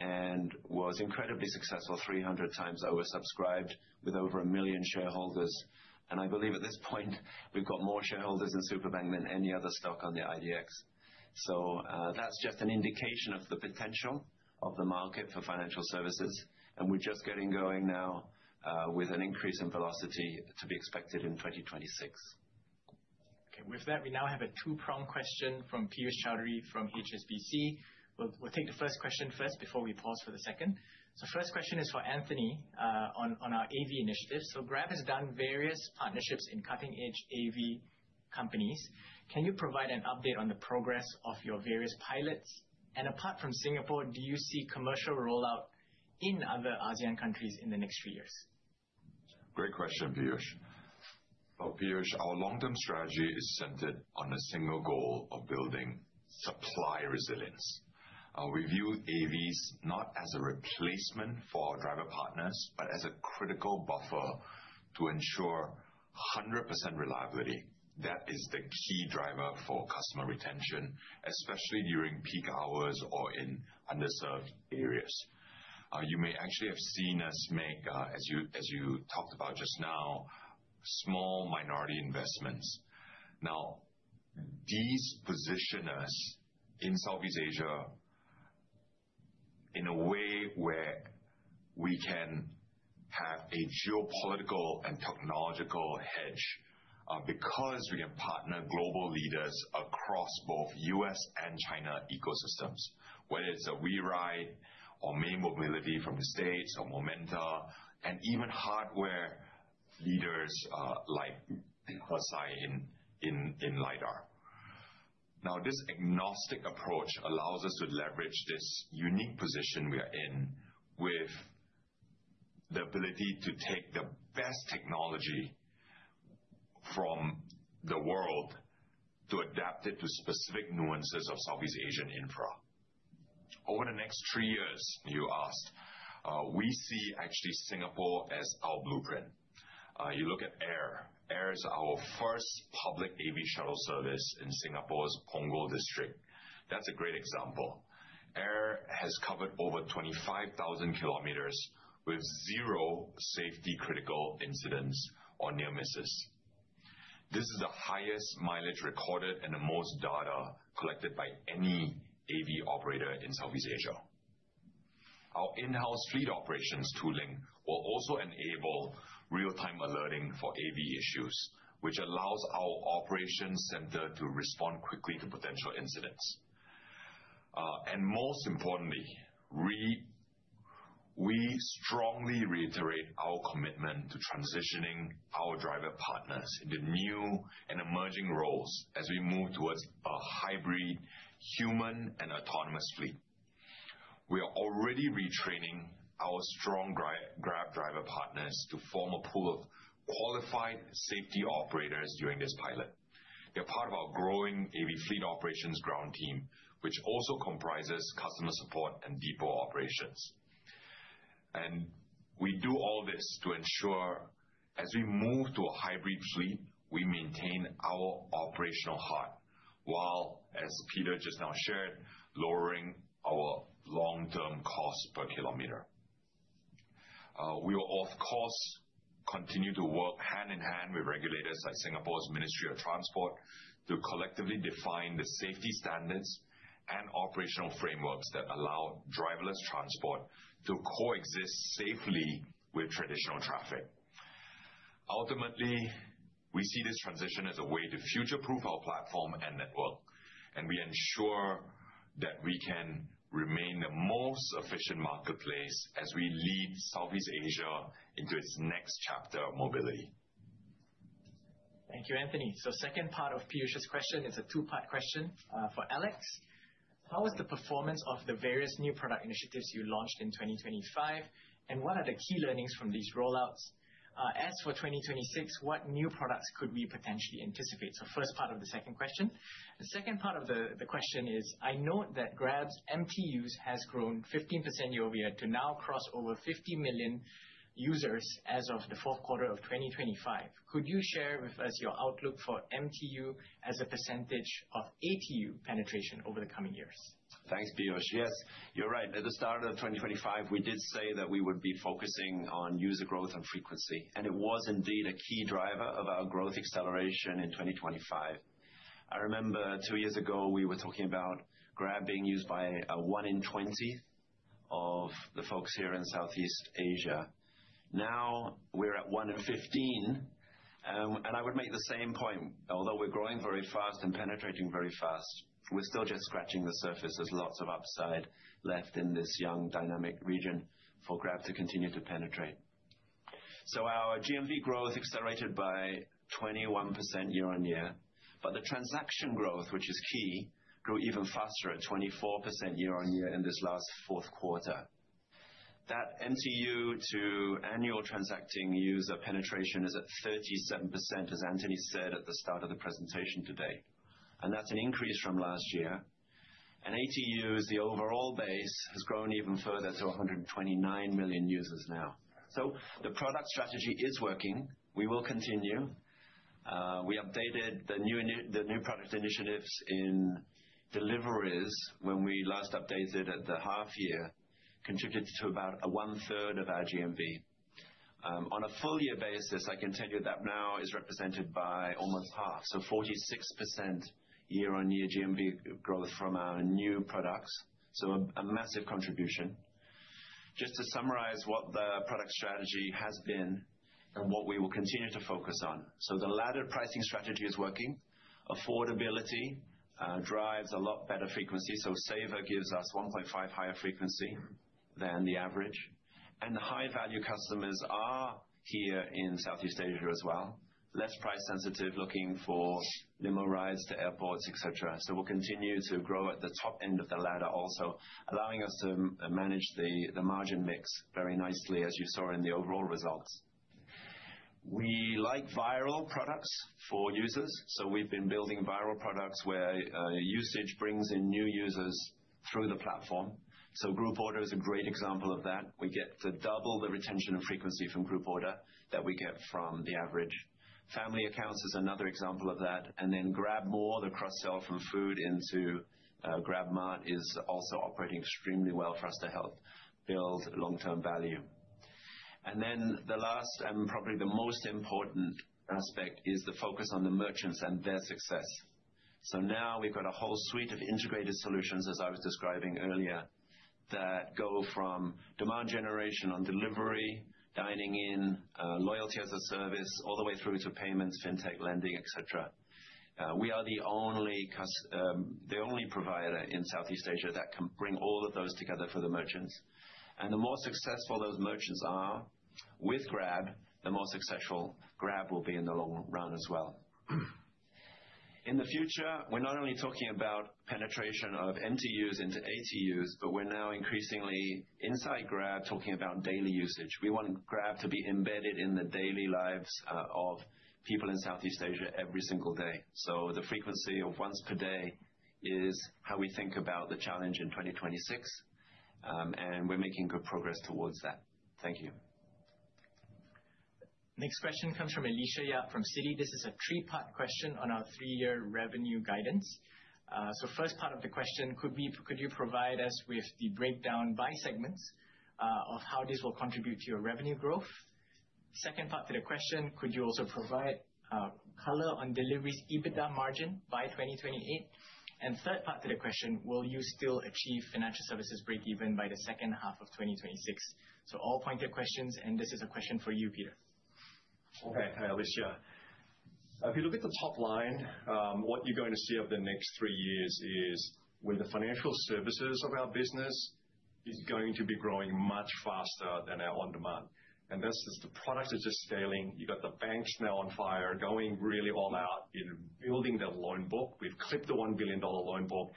and was incredibly successful, 300 times oversubscribed, with over 1 million shareholders. And I believe at this point, we've got more shareholders in Superbank than any other stock on the IDX. So, that's just an indication of the potential of the market for financial services, and we're just getting going now, with an increase in velocity to be expected in 2026. Okay. With that, we now have a two-pronged question from Piyush Choudhary from HSBC. We'll take the first question first before we pause for the second. So first question is for Anthony, on our AV initiatives. So Grab has done various partnerships in cutting-edge AV companies. Can you provide an update on the progress of your various pilots? And apart from Singapore, do you see commercial rollout in other ASEAN countries in the next three years? Great question, Piyush. Well, Piyush, our long-term strategy is centered on a single goal of building supply resilience. We view AVs not as a replacement for our driver partners, but as a critical buffer to ensure 100% reliability. That is the key driver for customer retention, especially during peak hours or in underserved areas. You may actually have seen us make, as you talked about just now, small minority investments. Now, these position us in Southeast Asia in a way where we can have a geopolitical and technological hedge, because we have partnered global leaders across both U.S. and China ecosystems, whether it's a WeRide or May Mobility from the States or Momenta, and even hardware leaders, like Hesai in LiDAR. Now, this agnostic approach allows us to leverage this unique position we are in with the ability to take the best technology from the world to adapt it to specific nuances of Southeast Asian infra. Over the next three years, you asked, we see actually Singapore as our blueprint. You look at Ayer. Ayer is our first public AV shuttle service in Singapore's Punggol district. That's a great example. Ayer has covered over 25,000 kilometers with zero safety-critical incidents or near misses. This is the highest mileage recorded and the most data collected by any AV operator in Southeast Asia. Our in-house fleet operations tooling will also enable real-time alerting for AV issues, which allows our operations center to respond quickly to potential incidents. Most importantly, we strongly reiterate our commitment to transitioning our driver partners into new and emerging roles as we move towards a hybrid human and autonomous fleet. We are already retraining our strong Grab driver partners to form a pool of qualified safety operators during this pilot. They're part of our growing AV fleet operations ground team, which also comprises customer support and depot operations. We do all this to ensure, as we move to a hybrid fleet, we maintain our operational heart, while, as Peter just now shared, lowering our long-term cost per kilometer. We will, of course, continue to work hand in hand with regulators like Singapore's Ministry of Transport, to collectively define the safety standards and operational frameworks that allow driverless transport to coexist safely with traditional traffic. Ultimately, we see this transition as a way to future-proof our platform and network, and we ensure that we can remain the most efficient marketplace as we lead Southeast Asia into its next chapter of mobility. Thank you, Anthony. So second part of Piyush's question, it's a two-part question, for Alex. How is the performance of the various new product initiatives you launched in 2025, and what are the key learnings from these rollouts? As for 2026, what new products could we potentially anticipate? So first part of the second question. The second part of the question is, I note that Grab's MTUs has grown 15% year-over-year to now cross over 50 million users as of the fourth quarter of 2025. Could you share with us your outlook for MTU as a percentage of ATU penetration over the coming years? Thanks, Piyush. Yes, you're right. At the start of 2025, we did say that we would be focusing on user growth and frequency, and it was indeed a key driver of our growth acceleration in 2025. I remember two years ago, we were talking about Grab being used by, one in 20 of the folks here in Southeast Asia. Now, we're at one in 15. I would make the same point, although we're growing very fast and penetrating very fast, we're still just scratching the surface. There's lots of upside left in this young, dynamic region for Grab to continue to penetrate. So our GMV growth accelerated by 21% year-on-year, but the transaction growth, which is key, grew even faster at 24% year-on-year in this last fourth quarter. That MTU to annual transacting user penetration is at 37%, as Anthony said at the start of the presentation today, and that's an increase from last year. ATU as the overall base has grown even further to 129 million users now. So the product strategy is working. We will continue. We updated the new product initiatives in deliveries when we last updated at the half year, contributed to about one-third of our GMV. On a full year basis, I can tell you that now is represented by almost half, so 46% year-on-year GMV growth from our new products, so a massive contribution. Just to summarize what the product strategy has been and what we will continue to focus on. The ladder pricing strategy is working. Affordability drives a lot better frequency, so Saver gives us 1.5 higher frequency than the average. The high-value customers are here in Southeast Asia as well. Less price sensitive, looking for limo rides to airports, et cetera. So we'll continue to grow at the top end of the ladder, also allowing us to manage the margin mix very nicely, as you saw in the overall results. We like viral products for users, so we've been building viral products where usage brings in new users through the platform. So Group Order is a great example of that. We get to double the retention and frequency from Group Order that we get from the average. Family Accounts is another example of that, and then GrabMore, the cross-sell from food into GrabMart, is also operating extremely well for us to help build long-term value. And then the last, and probably the most important aspect, is the focus on the merchants and their success. So now we've got a whole suite of integrated solutions, as I was describing earlier, that go from demand generation on delivery, dining in, loyalty as a service, all the way through to payments, fintech lending, et cetera. We are the only provider in Southeast Asia that can bring all of those together for the merchants. And the more successful those merchants are with Grab, the more successful Grab will be in the long run as well. In the future, we're not only talking about penetration of MTUs into ATUs, but we're now increasingly inside Grab, talking about daily usage. We want Grab to be embedded in the daily lives of people in Southeast Asia every single day. The frequency of once per day is how we think about the challenge in 2026, and we're making good progress towards that. Thank you. Next question comes from Alicia Yap, from Citi. This is a three-part question on our three-year revenue guidance. So first part of the question, could you provide us with the breakdown by segments of how this will contribute to your revenue growth? Second part to the question, could you also provide color on deliveries EBITDA margin by 2028? And third part to the question, will you still achieve financial services break even by the second half of 2026? So all pointed questions, and this is a question for you, Peter. Okay, hi, Alicia. If you look at the top line, what you're going to see over the next three years is where the financial services of our business is going to be growing much faster than our on-demand. And this is, the product is just scaling. You've got the banks now on fire, going really all out in building their loan book. We've clipped the $1 billion loan book.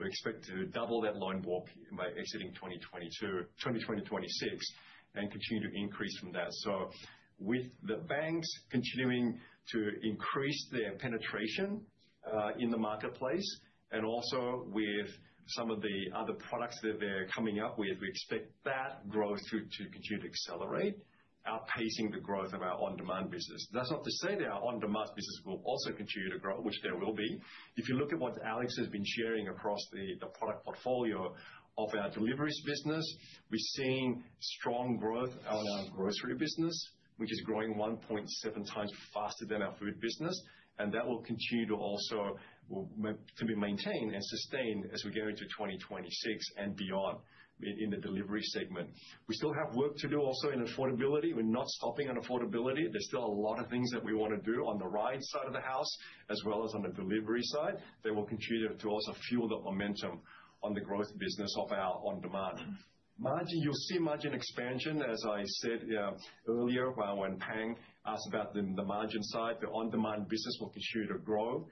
We expect to double that loan book by exiting 2026, and continue to increase from that. So with the banks continuing to increase their penetration in the marketplace, and also with some of the other products that they're coming up with, we expect that growth to continue to accelerate outpacing the growth of our on-demand business. That's not to say that our on-demand business will also continue to grow, which there will be. If you look at what Alex has been sharing across the product portfolio of our deliveries business, we're seeing strong growth out in our grocery business, which is growing 1.7 times faster than our food business, and that will continue to also, well, to be maintained and sustained as we go into 2026 and beyond in the delivery segment. We still have work to do also in affordability. We're not stopping on affordability. There's still a lot of things that we want to do on the ride side of the house, as well as on the delivery side, that will continue to also fuel the momentum on the growth business of our on-demand. Margin, you'll see margin expansion, as I said earlier, when Pang asked about the margin side. The on-demand business will continue to grow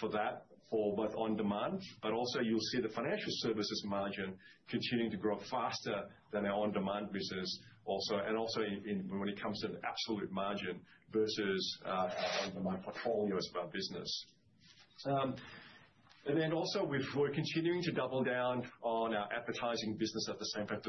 for that, for both on-demand, but also you'll see the financial services margin continuing to grow faster than our on-demand business also. And also in, in, when it comes to the absolute margin versus our on-demand portfolio as our business. And then also we're continuing to double down on our advertising business at the same time,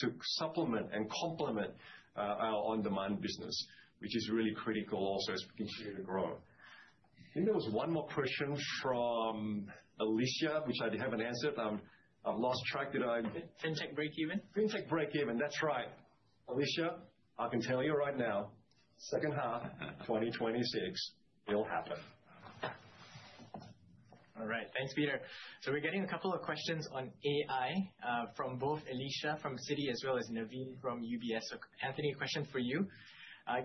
to supplement and complement our on-demand business, which is really critical also as we continue to grow. I think there was one more question from Alicia, which I haven't answered. I've lost track. Did I? FinTech breakeven? FinTech breakeven, that's right! Alicia, I can tell you right now, second half, 2026, it'll happen. All right. Thanks, Peter. So we're getting a couple of questions on AI from both Alicia, from Citi, as well as Navin from UBS. So Anthony, a question for you.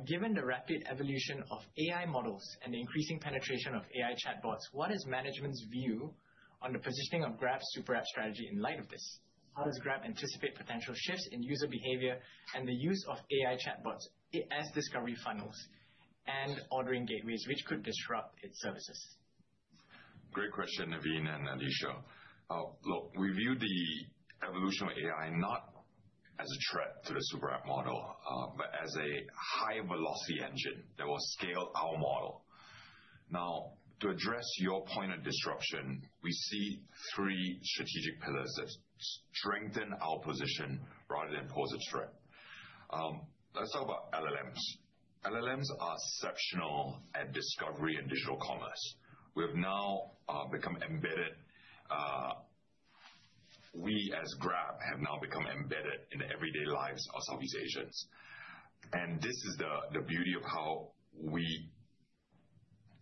Given the rapid evolution of AI models and the increasing penetration of AI chatbots, what is management's view on the positioning of Grab's super app strategy in light of this? How does Grab anticipate potential shifts in user behavior and the use of AI chatbots as discovery funnels and ordering gateways which could disrupt its services? Great question, Navin and Alicia. Look, we view the evolution of AI not as a threat to the super app model, but as a high-velocity engine that will scale our model. Now, to address your point of disruption, we see three strategic pillars that strengthen our position rather than pose a threat. Let's talk about LLMs. LLMs are exceptional at discovery and digital commerce. We've now become embedded. We, as Grab, have now become embedded in the everyday lives of Southeast Asians, and this is the, the beauty of how we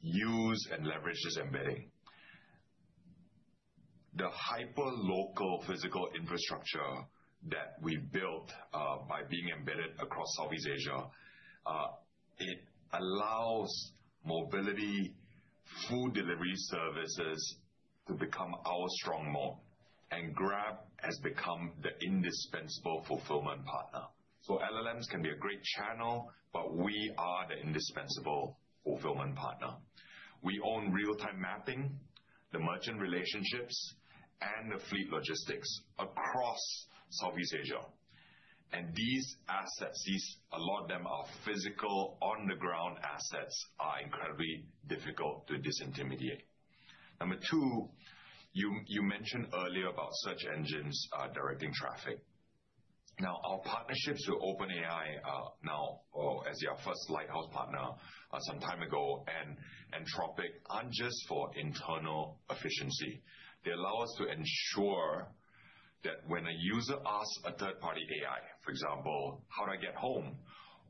use and leverage this embedding. The hyperlocal physical infrastructure that we built by being embedded across Southeast Asia allows mobility, food delivery services to become our strong mode, and Grab has become the indispensable fulfillment partner. So LLMs can be a great channel, but we are the indispensable fulfillment partner. We own real-time mapping, the merchant relationships, and the fleet logistics across Southeast Asia, and these assets, these, a lot of them are physical, on-the-ground assets, are incredibly difficult to disintermediate. Number two, you, you mentioned earlier about search engines directing traffic. Now, our partnerships with OpenAI, now, as our first lighthouse partner, some time ago, and Anthropic, aren't just for internal efficiency. They allow us to ensure that when a user asks a third-party AI, for example, "How do I get home?"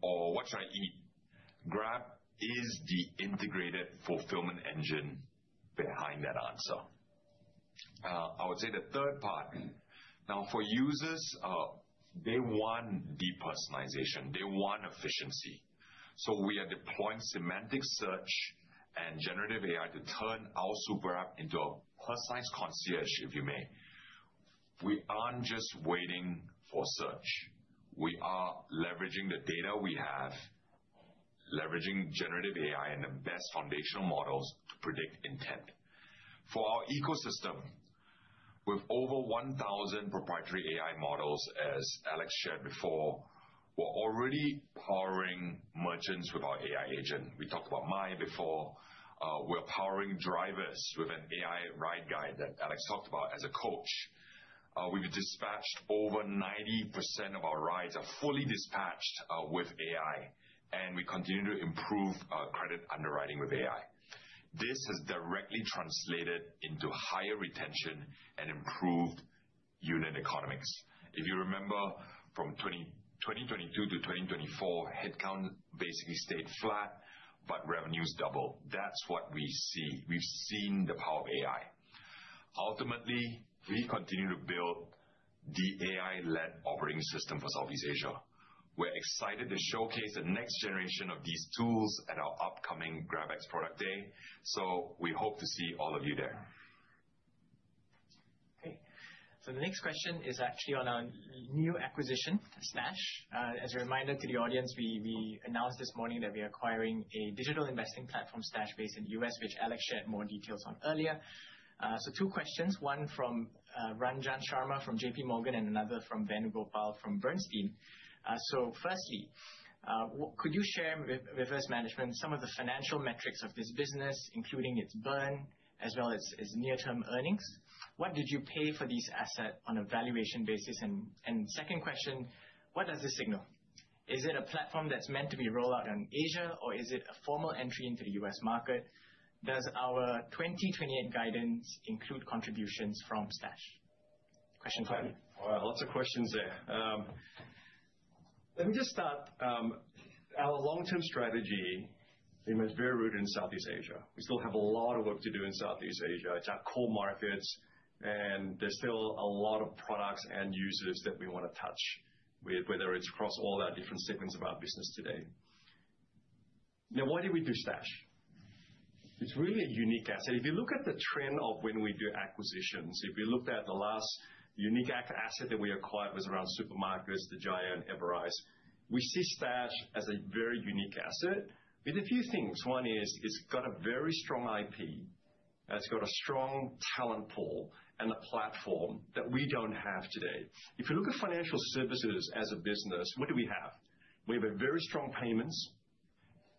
or, "What should I eat?" Grab is the integrated fulfillment engine behind that answer. I would say the third part, now, for users, they want personalization, they want efficiency. So we are deploying semantic search and generative AI to turn our super app into a personalized concierge, if you may. We aren't just waiting for search. We are leveraging the data we have, leveraging generative AI and the best foundational models to predict intent. For our ecosystem, with over 1,000 proprietary AI models, as Alex shared before, we're already powering merchants with our AI agent. We talked about Mai before. We're powering drivers with an AI Ride Guide that Alex talked about as a coach. We've dispatched over 90% of our rides that are fully dispatched with AI, and we continue to improve our credit underwriting with AI. This has directly translated into higher retention and improved unit economics. If you remember, from 2022 to 2024, headcount basically stayed flat, but revenues doubled. That's what we see. We've seen the power of AI. Ultimately, we continue to build the AI-led operating system for Southeast Asia. We're excited to showcase the next generation of these tools at our upcoming GrabNext Product Day, so we hope to see all of you there. Okay. So the next question is actually on our new acquisition, Stash. As a reminder to the audience, we announced this morning that we are acquiring a digital investing platform, Stash, based in the U.S., which Alex shared more details on earlier. So two questions, one from Ranjan Sharma, from JPMorgan, and another from Venugopal, from Bernstein. Firstly, could you share with us management some of the financial metrics of this business, including its burn, as well as its near-term earnings? What did you pay for this asset on a valuation basis? And second question, what does this signal? Is it a platform that's meant to be rolled out in Asia, or is it a formal entry into the U.S. market? Does our 2028 guidance include contributions from Stash? Question for you. All right, lots of questions there. Let me just start, our long-term strategy is very rooted in Southeast Asia. We still have a lot of work to do in Southeast Asia. It's our core markets, and there's still a lot of products and users that we want to touch, whether it's across all our different segments of our business today. Now, why did we do Stash? It's really a unique asset. If you look at the trend of when we do acquisitions, if you looked at the last unique asset that we acquired was around supermarkets, the Giant and Everrise. We see Stash as a very unique asset with a few things. One is, it's got a very strong IP, and it's got a strong talent pool and a platform that we don't have today. If you look at financial services as a business, what do we have? We have a very strong payments.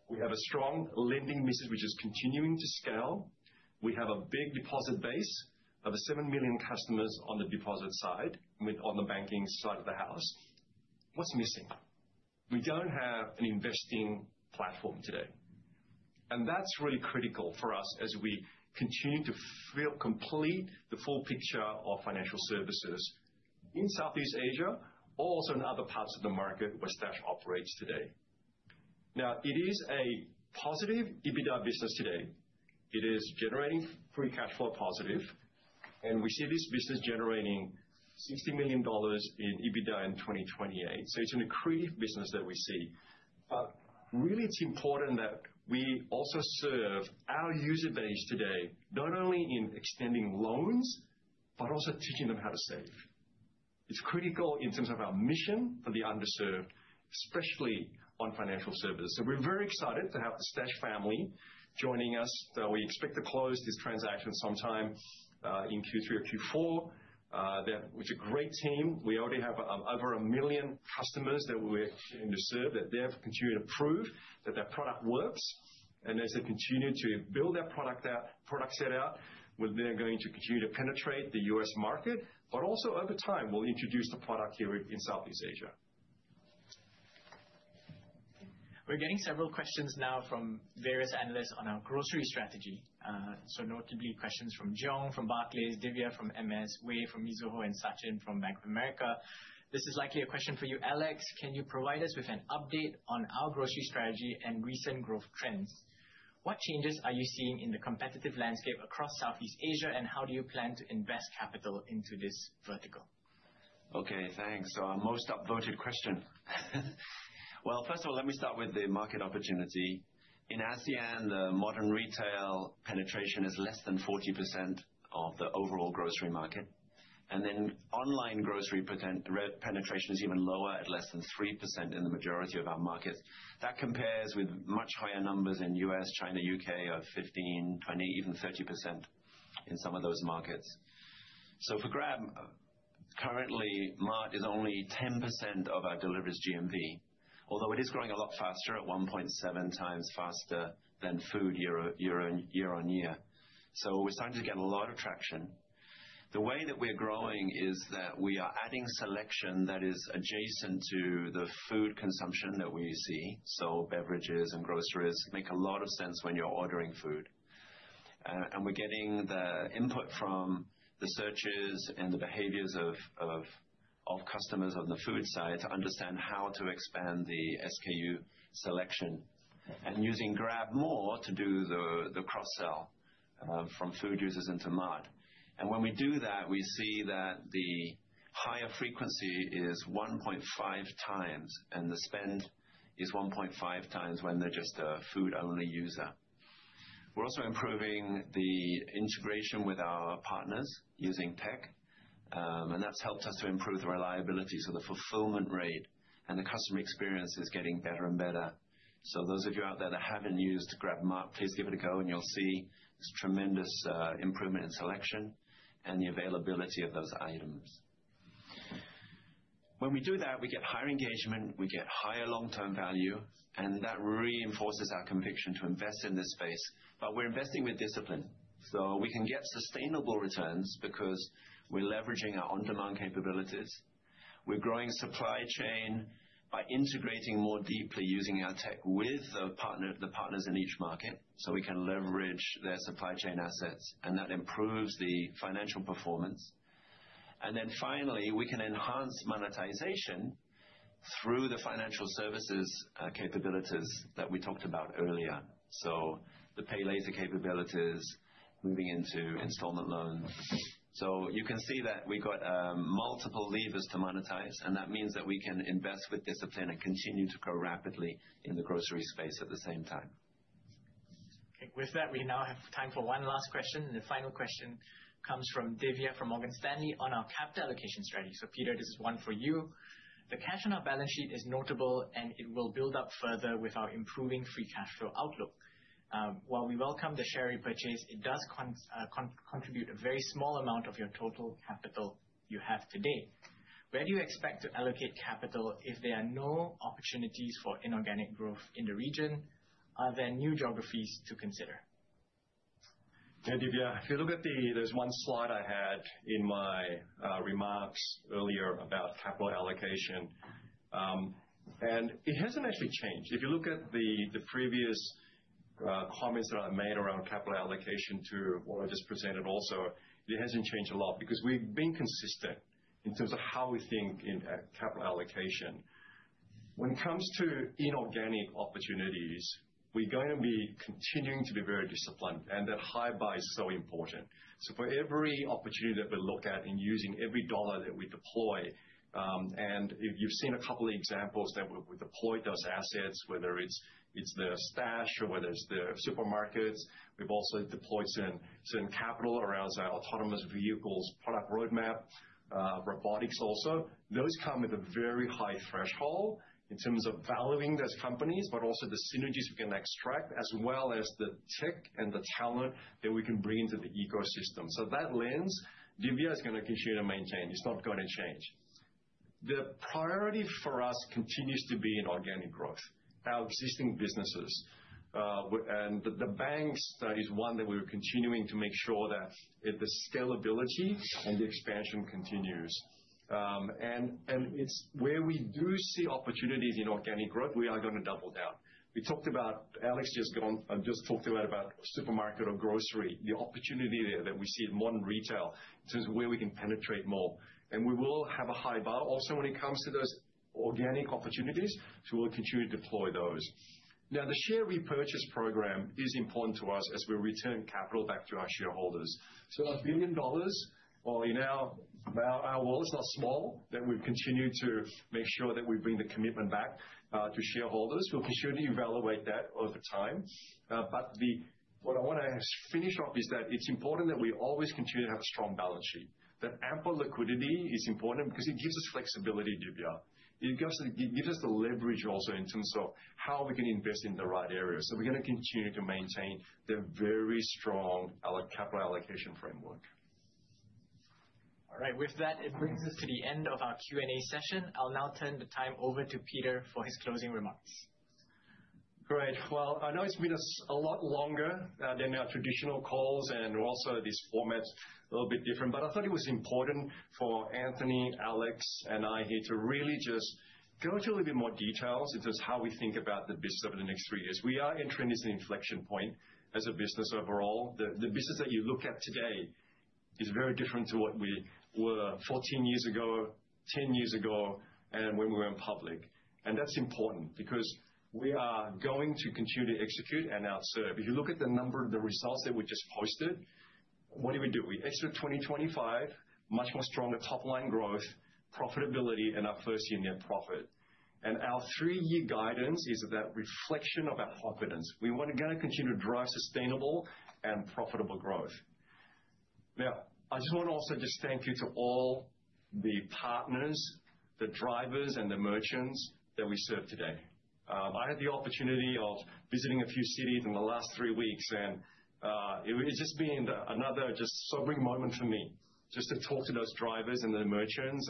We have a strong lending business, which is continuing to scale. We have a big deposit base of 7 million customers on the deposit side, with on the banking side of the house. What's missing? We don't have an investing platform today, and that's really critical for us as we continue to fill, complete the full picture of financial services in Southeast Asia, also in other parts of the market where Stash operates today. Now, it is a positive EBITDA business today. It is generating free cash flow positive, and we see this business generating $60 million in EBITDA in 2028. So it's an accretive business that we see. But really, it's important that we also serve our user base today, not only in extending loans, but also teaching them how to save. It's critical in terms of our mission for the underserved, especially on financial services. So we're very excited to have the Stash family joining us. So we expect to close this transaction sometime in Q3 or Q4. They're a great team. We already have over a million customers that we're looking to serve, that they have continued to prove that their product works. And as they continue to build their product set out, we're then going to continue to penetrate the U.S. market. But also, over time, we'll introduce the product here in Southeast Asia. We're getting several questions now from various analysts on our grocery strategy. So notably, questions from Jiong, from Barclays, Divya from MS, Wei from Mizuho, and Sachin from Bank of America. This is likely a question for you, Alex. Can you provide us with an update on our grocery strategy and recent growth trends? What changes are you seeing in the competitive landscape across Southeast Asia, and how do you plan to invest capital into this vertical? Okay, thanks. Our most upvoted question. Well, first of all, let me start with the market opportunity. In ASEAN, the modern retail penetration is less than 40% of the overall grocery market, and then online grocery penetration is even lower, at less than 3% in the majority of our markets. That compares with much higher numbers in U.S., China, U.K., of 15%, 20%, even 30% in some of those markets. So for Grab, currently, Mart is only 10% of our deliveries GMV, although it is growing a lot faster, at 1.7 times faster than food year-on-year. So we're starting to get a lot of traction. The way that we're growing is that we are adding selection that is adjacent to the food consumption that we see. So beverages and groceries make a lot of sense when you're ordering food. We're getting the input from the searches and the behaviors of customers on the food side to understand how to expand the SKU selection. Using GrabMore to do the cross-sell from food users into Mart. When we do that, we see that the higher frequency is 1.5 times, and the spend is 1.5 times when they're just a food-only user. We're also improving the integration with our partners using tech, and that's helped us to improve the reliability. The fulfillment rate and the customer experience is getting better and better. Those of you out there that haven't used GrabMart, please give it a go, and you'll see this tremendous improvement in selection and the availability of those items. When we do that, we get higher engagement, we get higher long-term value, and that reinforces our conviction to invest in this space. But we're investing with discipline, so we can get sustainable returns because we're leveraging our on-demand capabilities. We're growing supply chain by integrating more deeply, using our tech with the partner, the partners in each market, so we can leverage their supply chain assets, and that improves the financial performance. And then finally, we can enhance monetization through the financial services capabilities that we talked about earlier. So the PayLater capabilities, moving into installment loans. So you can see that we got multiple levers to monetize, and that means that we can invest with discipline and continue to grow rapidly in the grocery space at the same time. Okay. With that, we now have time for one last question, and the final question comes from Divya, from Morgan Stanley, on our capital allocation strategy. So, Peter, this is one for you. The cash on our balance sheet is notable, and it will build up further with our improving free cash flow outlook. While we welcome the share repurchase, it does contribute a very small amount of your total capital you have today. Where do you expect to allocate capital if there are no opportunities for inorganic growth in the region? Are there new geographies to consider? Yeah, Divya, if you look at the, there's one slide I had in my remarks earlier about capital allocation. And it hasn't actually changed. If you look at the previous comments that I made around capital allocation to what I just presented also, it hasn't changed a lot, because we've been consistent in terms of how we think in capital allocation. When it comes to inorganic opportunities, we're going to be continuing to be very disciplined, and that high bar is so important. So for every opportunity that we look at in using every dollar that we deploy, and you've seen a couple of examples that we deployed those assets, whether it's the Stash or whether it's the supermarkets. We've also deployed certain capital around our autonomous vehicles, product roadmap, robotics also. Those come with a very high threshold in terms of valuing those companies, but also the synergies we can extract, as well as the tech and the talent that we can bring into the ecosystem. So that lens, Divya, is gonna continue to maintain. It's not gonna change. The priority for us continues to be inorganic growth, our existing businesses. And the bank subsidiaries, one that we're continuing to make sure that the scalability and the expansion continues. And it's where we do see opportunities in organic growth, we are gonna double down. We talked about—Alex just talked about supermarket or grocery, the opportunity there that we see in modern retail, this is where we can penetrate more. And we will have a high bar also when it comes to those organic opportunities, so we'll continue to deploy those. Now, the share repurchase program is important to us as we return capital back to our shareholders. So $1 billion, while in our, our world is not small, that we continue to make sure that we bring the commitment back to shareholders. We'll continue to evaluate that over time. But what I want to finish off is that it's important that we always continue to have a strong balance sheet. That ample liquidity is important because it gives us flexibility, Divya. It gives, it gives us the leverage also in terms of how we can invest in the right areas. So we're gonna continue to maintain the very strong allocation capital allocation framework. All right. With that, it brings us to the end of our Q and A session. I'll now turn the time over to Peter for his closing remarks. Great. Well, I know it's been a lot longer than our traditional calls, and also this format is a little bit different, but I thought it was important for Anthony, Alex, and I here to really just go into a little bit more details into how we think about the business over the next three years. We are entering this inflection point as a business overall. The business that you look at today is very different to what we were 14 years ago, 10 years ago, and when we went public. That's important because we are going to continue to execute and outserve. If you look at the number of the results that we just posted, what do we do? We execute 2025, much more stronger top-line growth, profitability, and our first year net profit. Our three-year guidance is that reflection of our confidence. We want to go and continue to drive sustainable and profitable growth. Now, I just want to also just thank you to all the partners, the drivers, and the merchants that we serve today. I had the opportunity of visiting a few cities in the last three weeks, and it's just been another just sobering moment for me, just to talk to those drivers and the merchants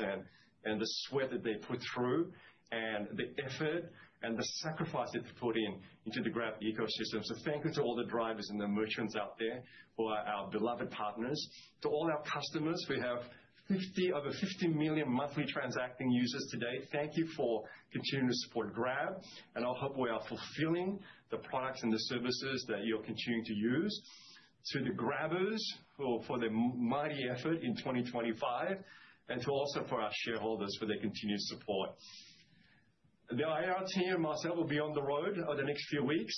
and the sweat that they put through, and the effort and the sacrifice they've put in into the Grab ecosystem. So thank you to all the drivers and the merchants out there who are our beloved partners. To all our customers, we have over 50 million monthly transacting users today. Thank you for continuing to support Grab, and I hope we are fulfilling the products and the services that you're continuing to use. To the Grabbers, for the mighty effort in 2025, and to also for our shareholders for their continued support. The IR team and myself will be on the road over the next few weeks.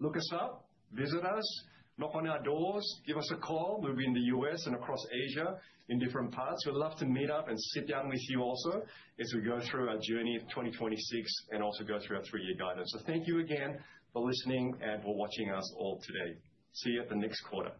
Look us up, visit us, knock on our doors, give us a call. We'll be in the U.S. and across Asia in different parts. We'd love to meet up and sit down with you also as we go through our journey of 2026 and also go through our three-year guidance. So thank you again for listening and for watching us all today. See you at the next quarter.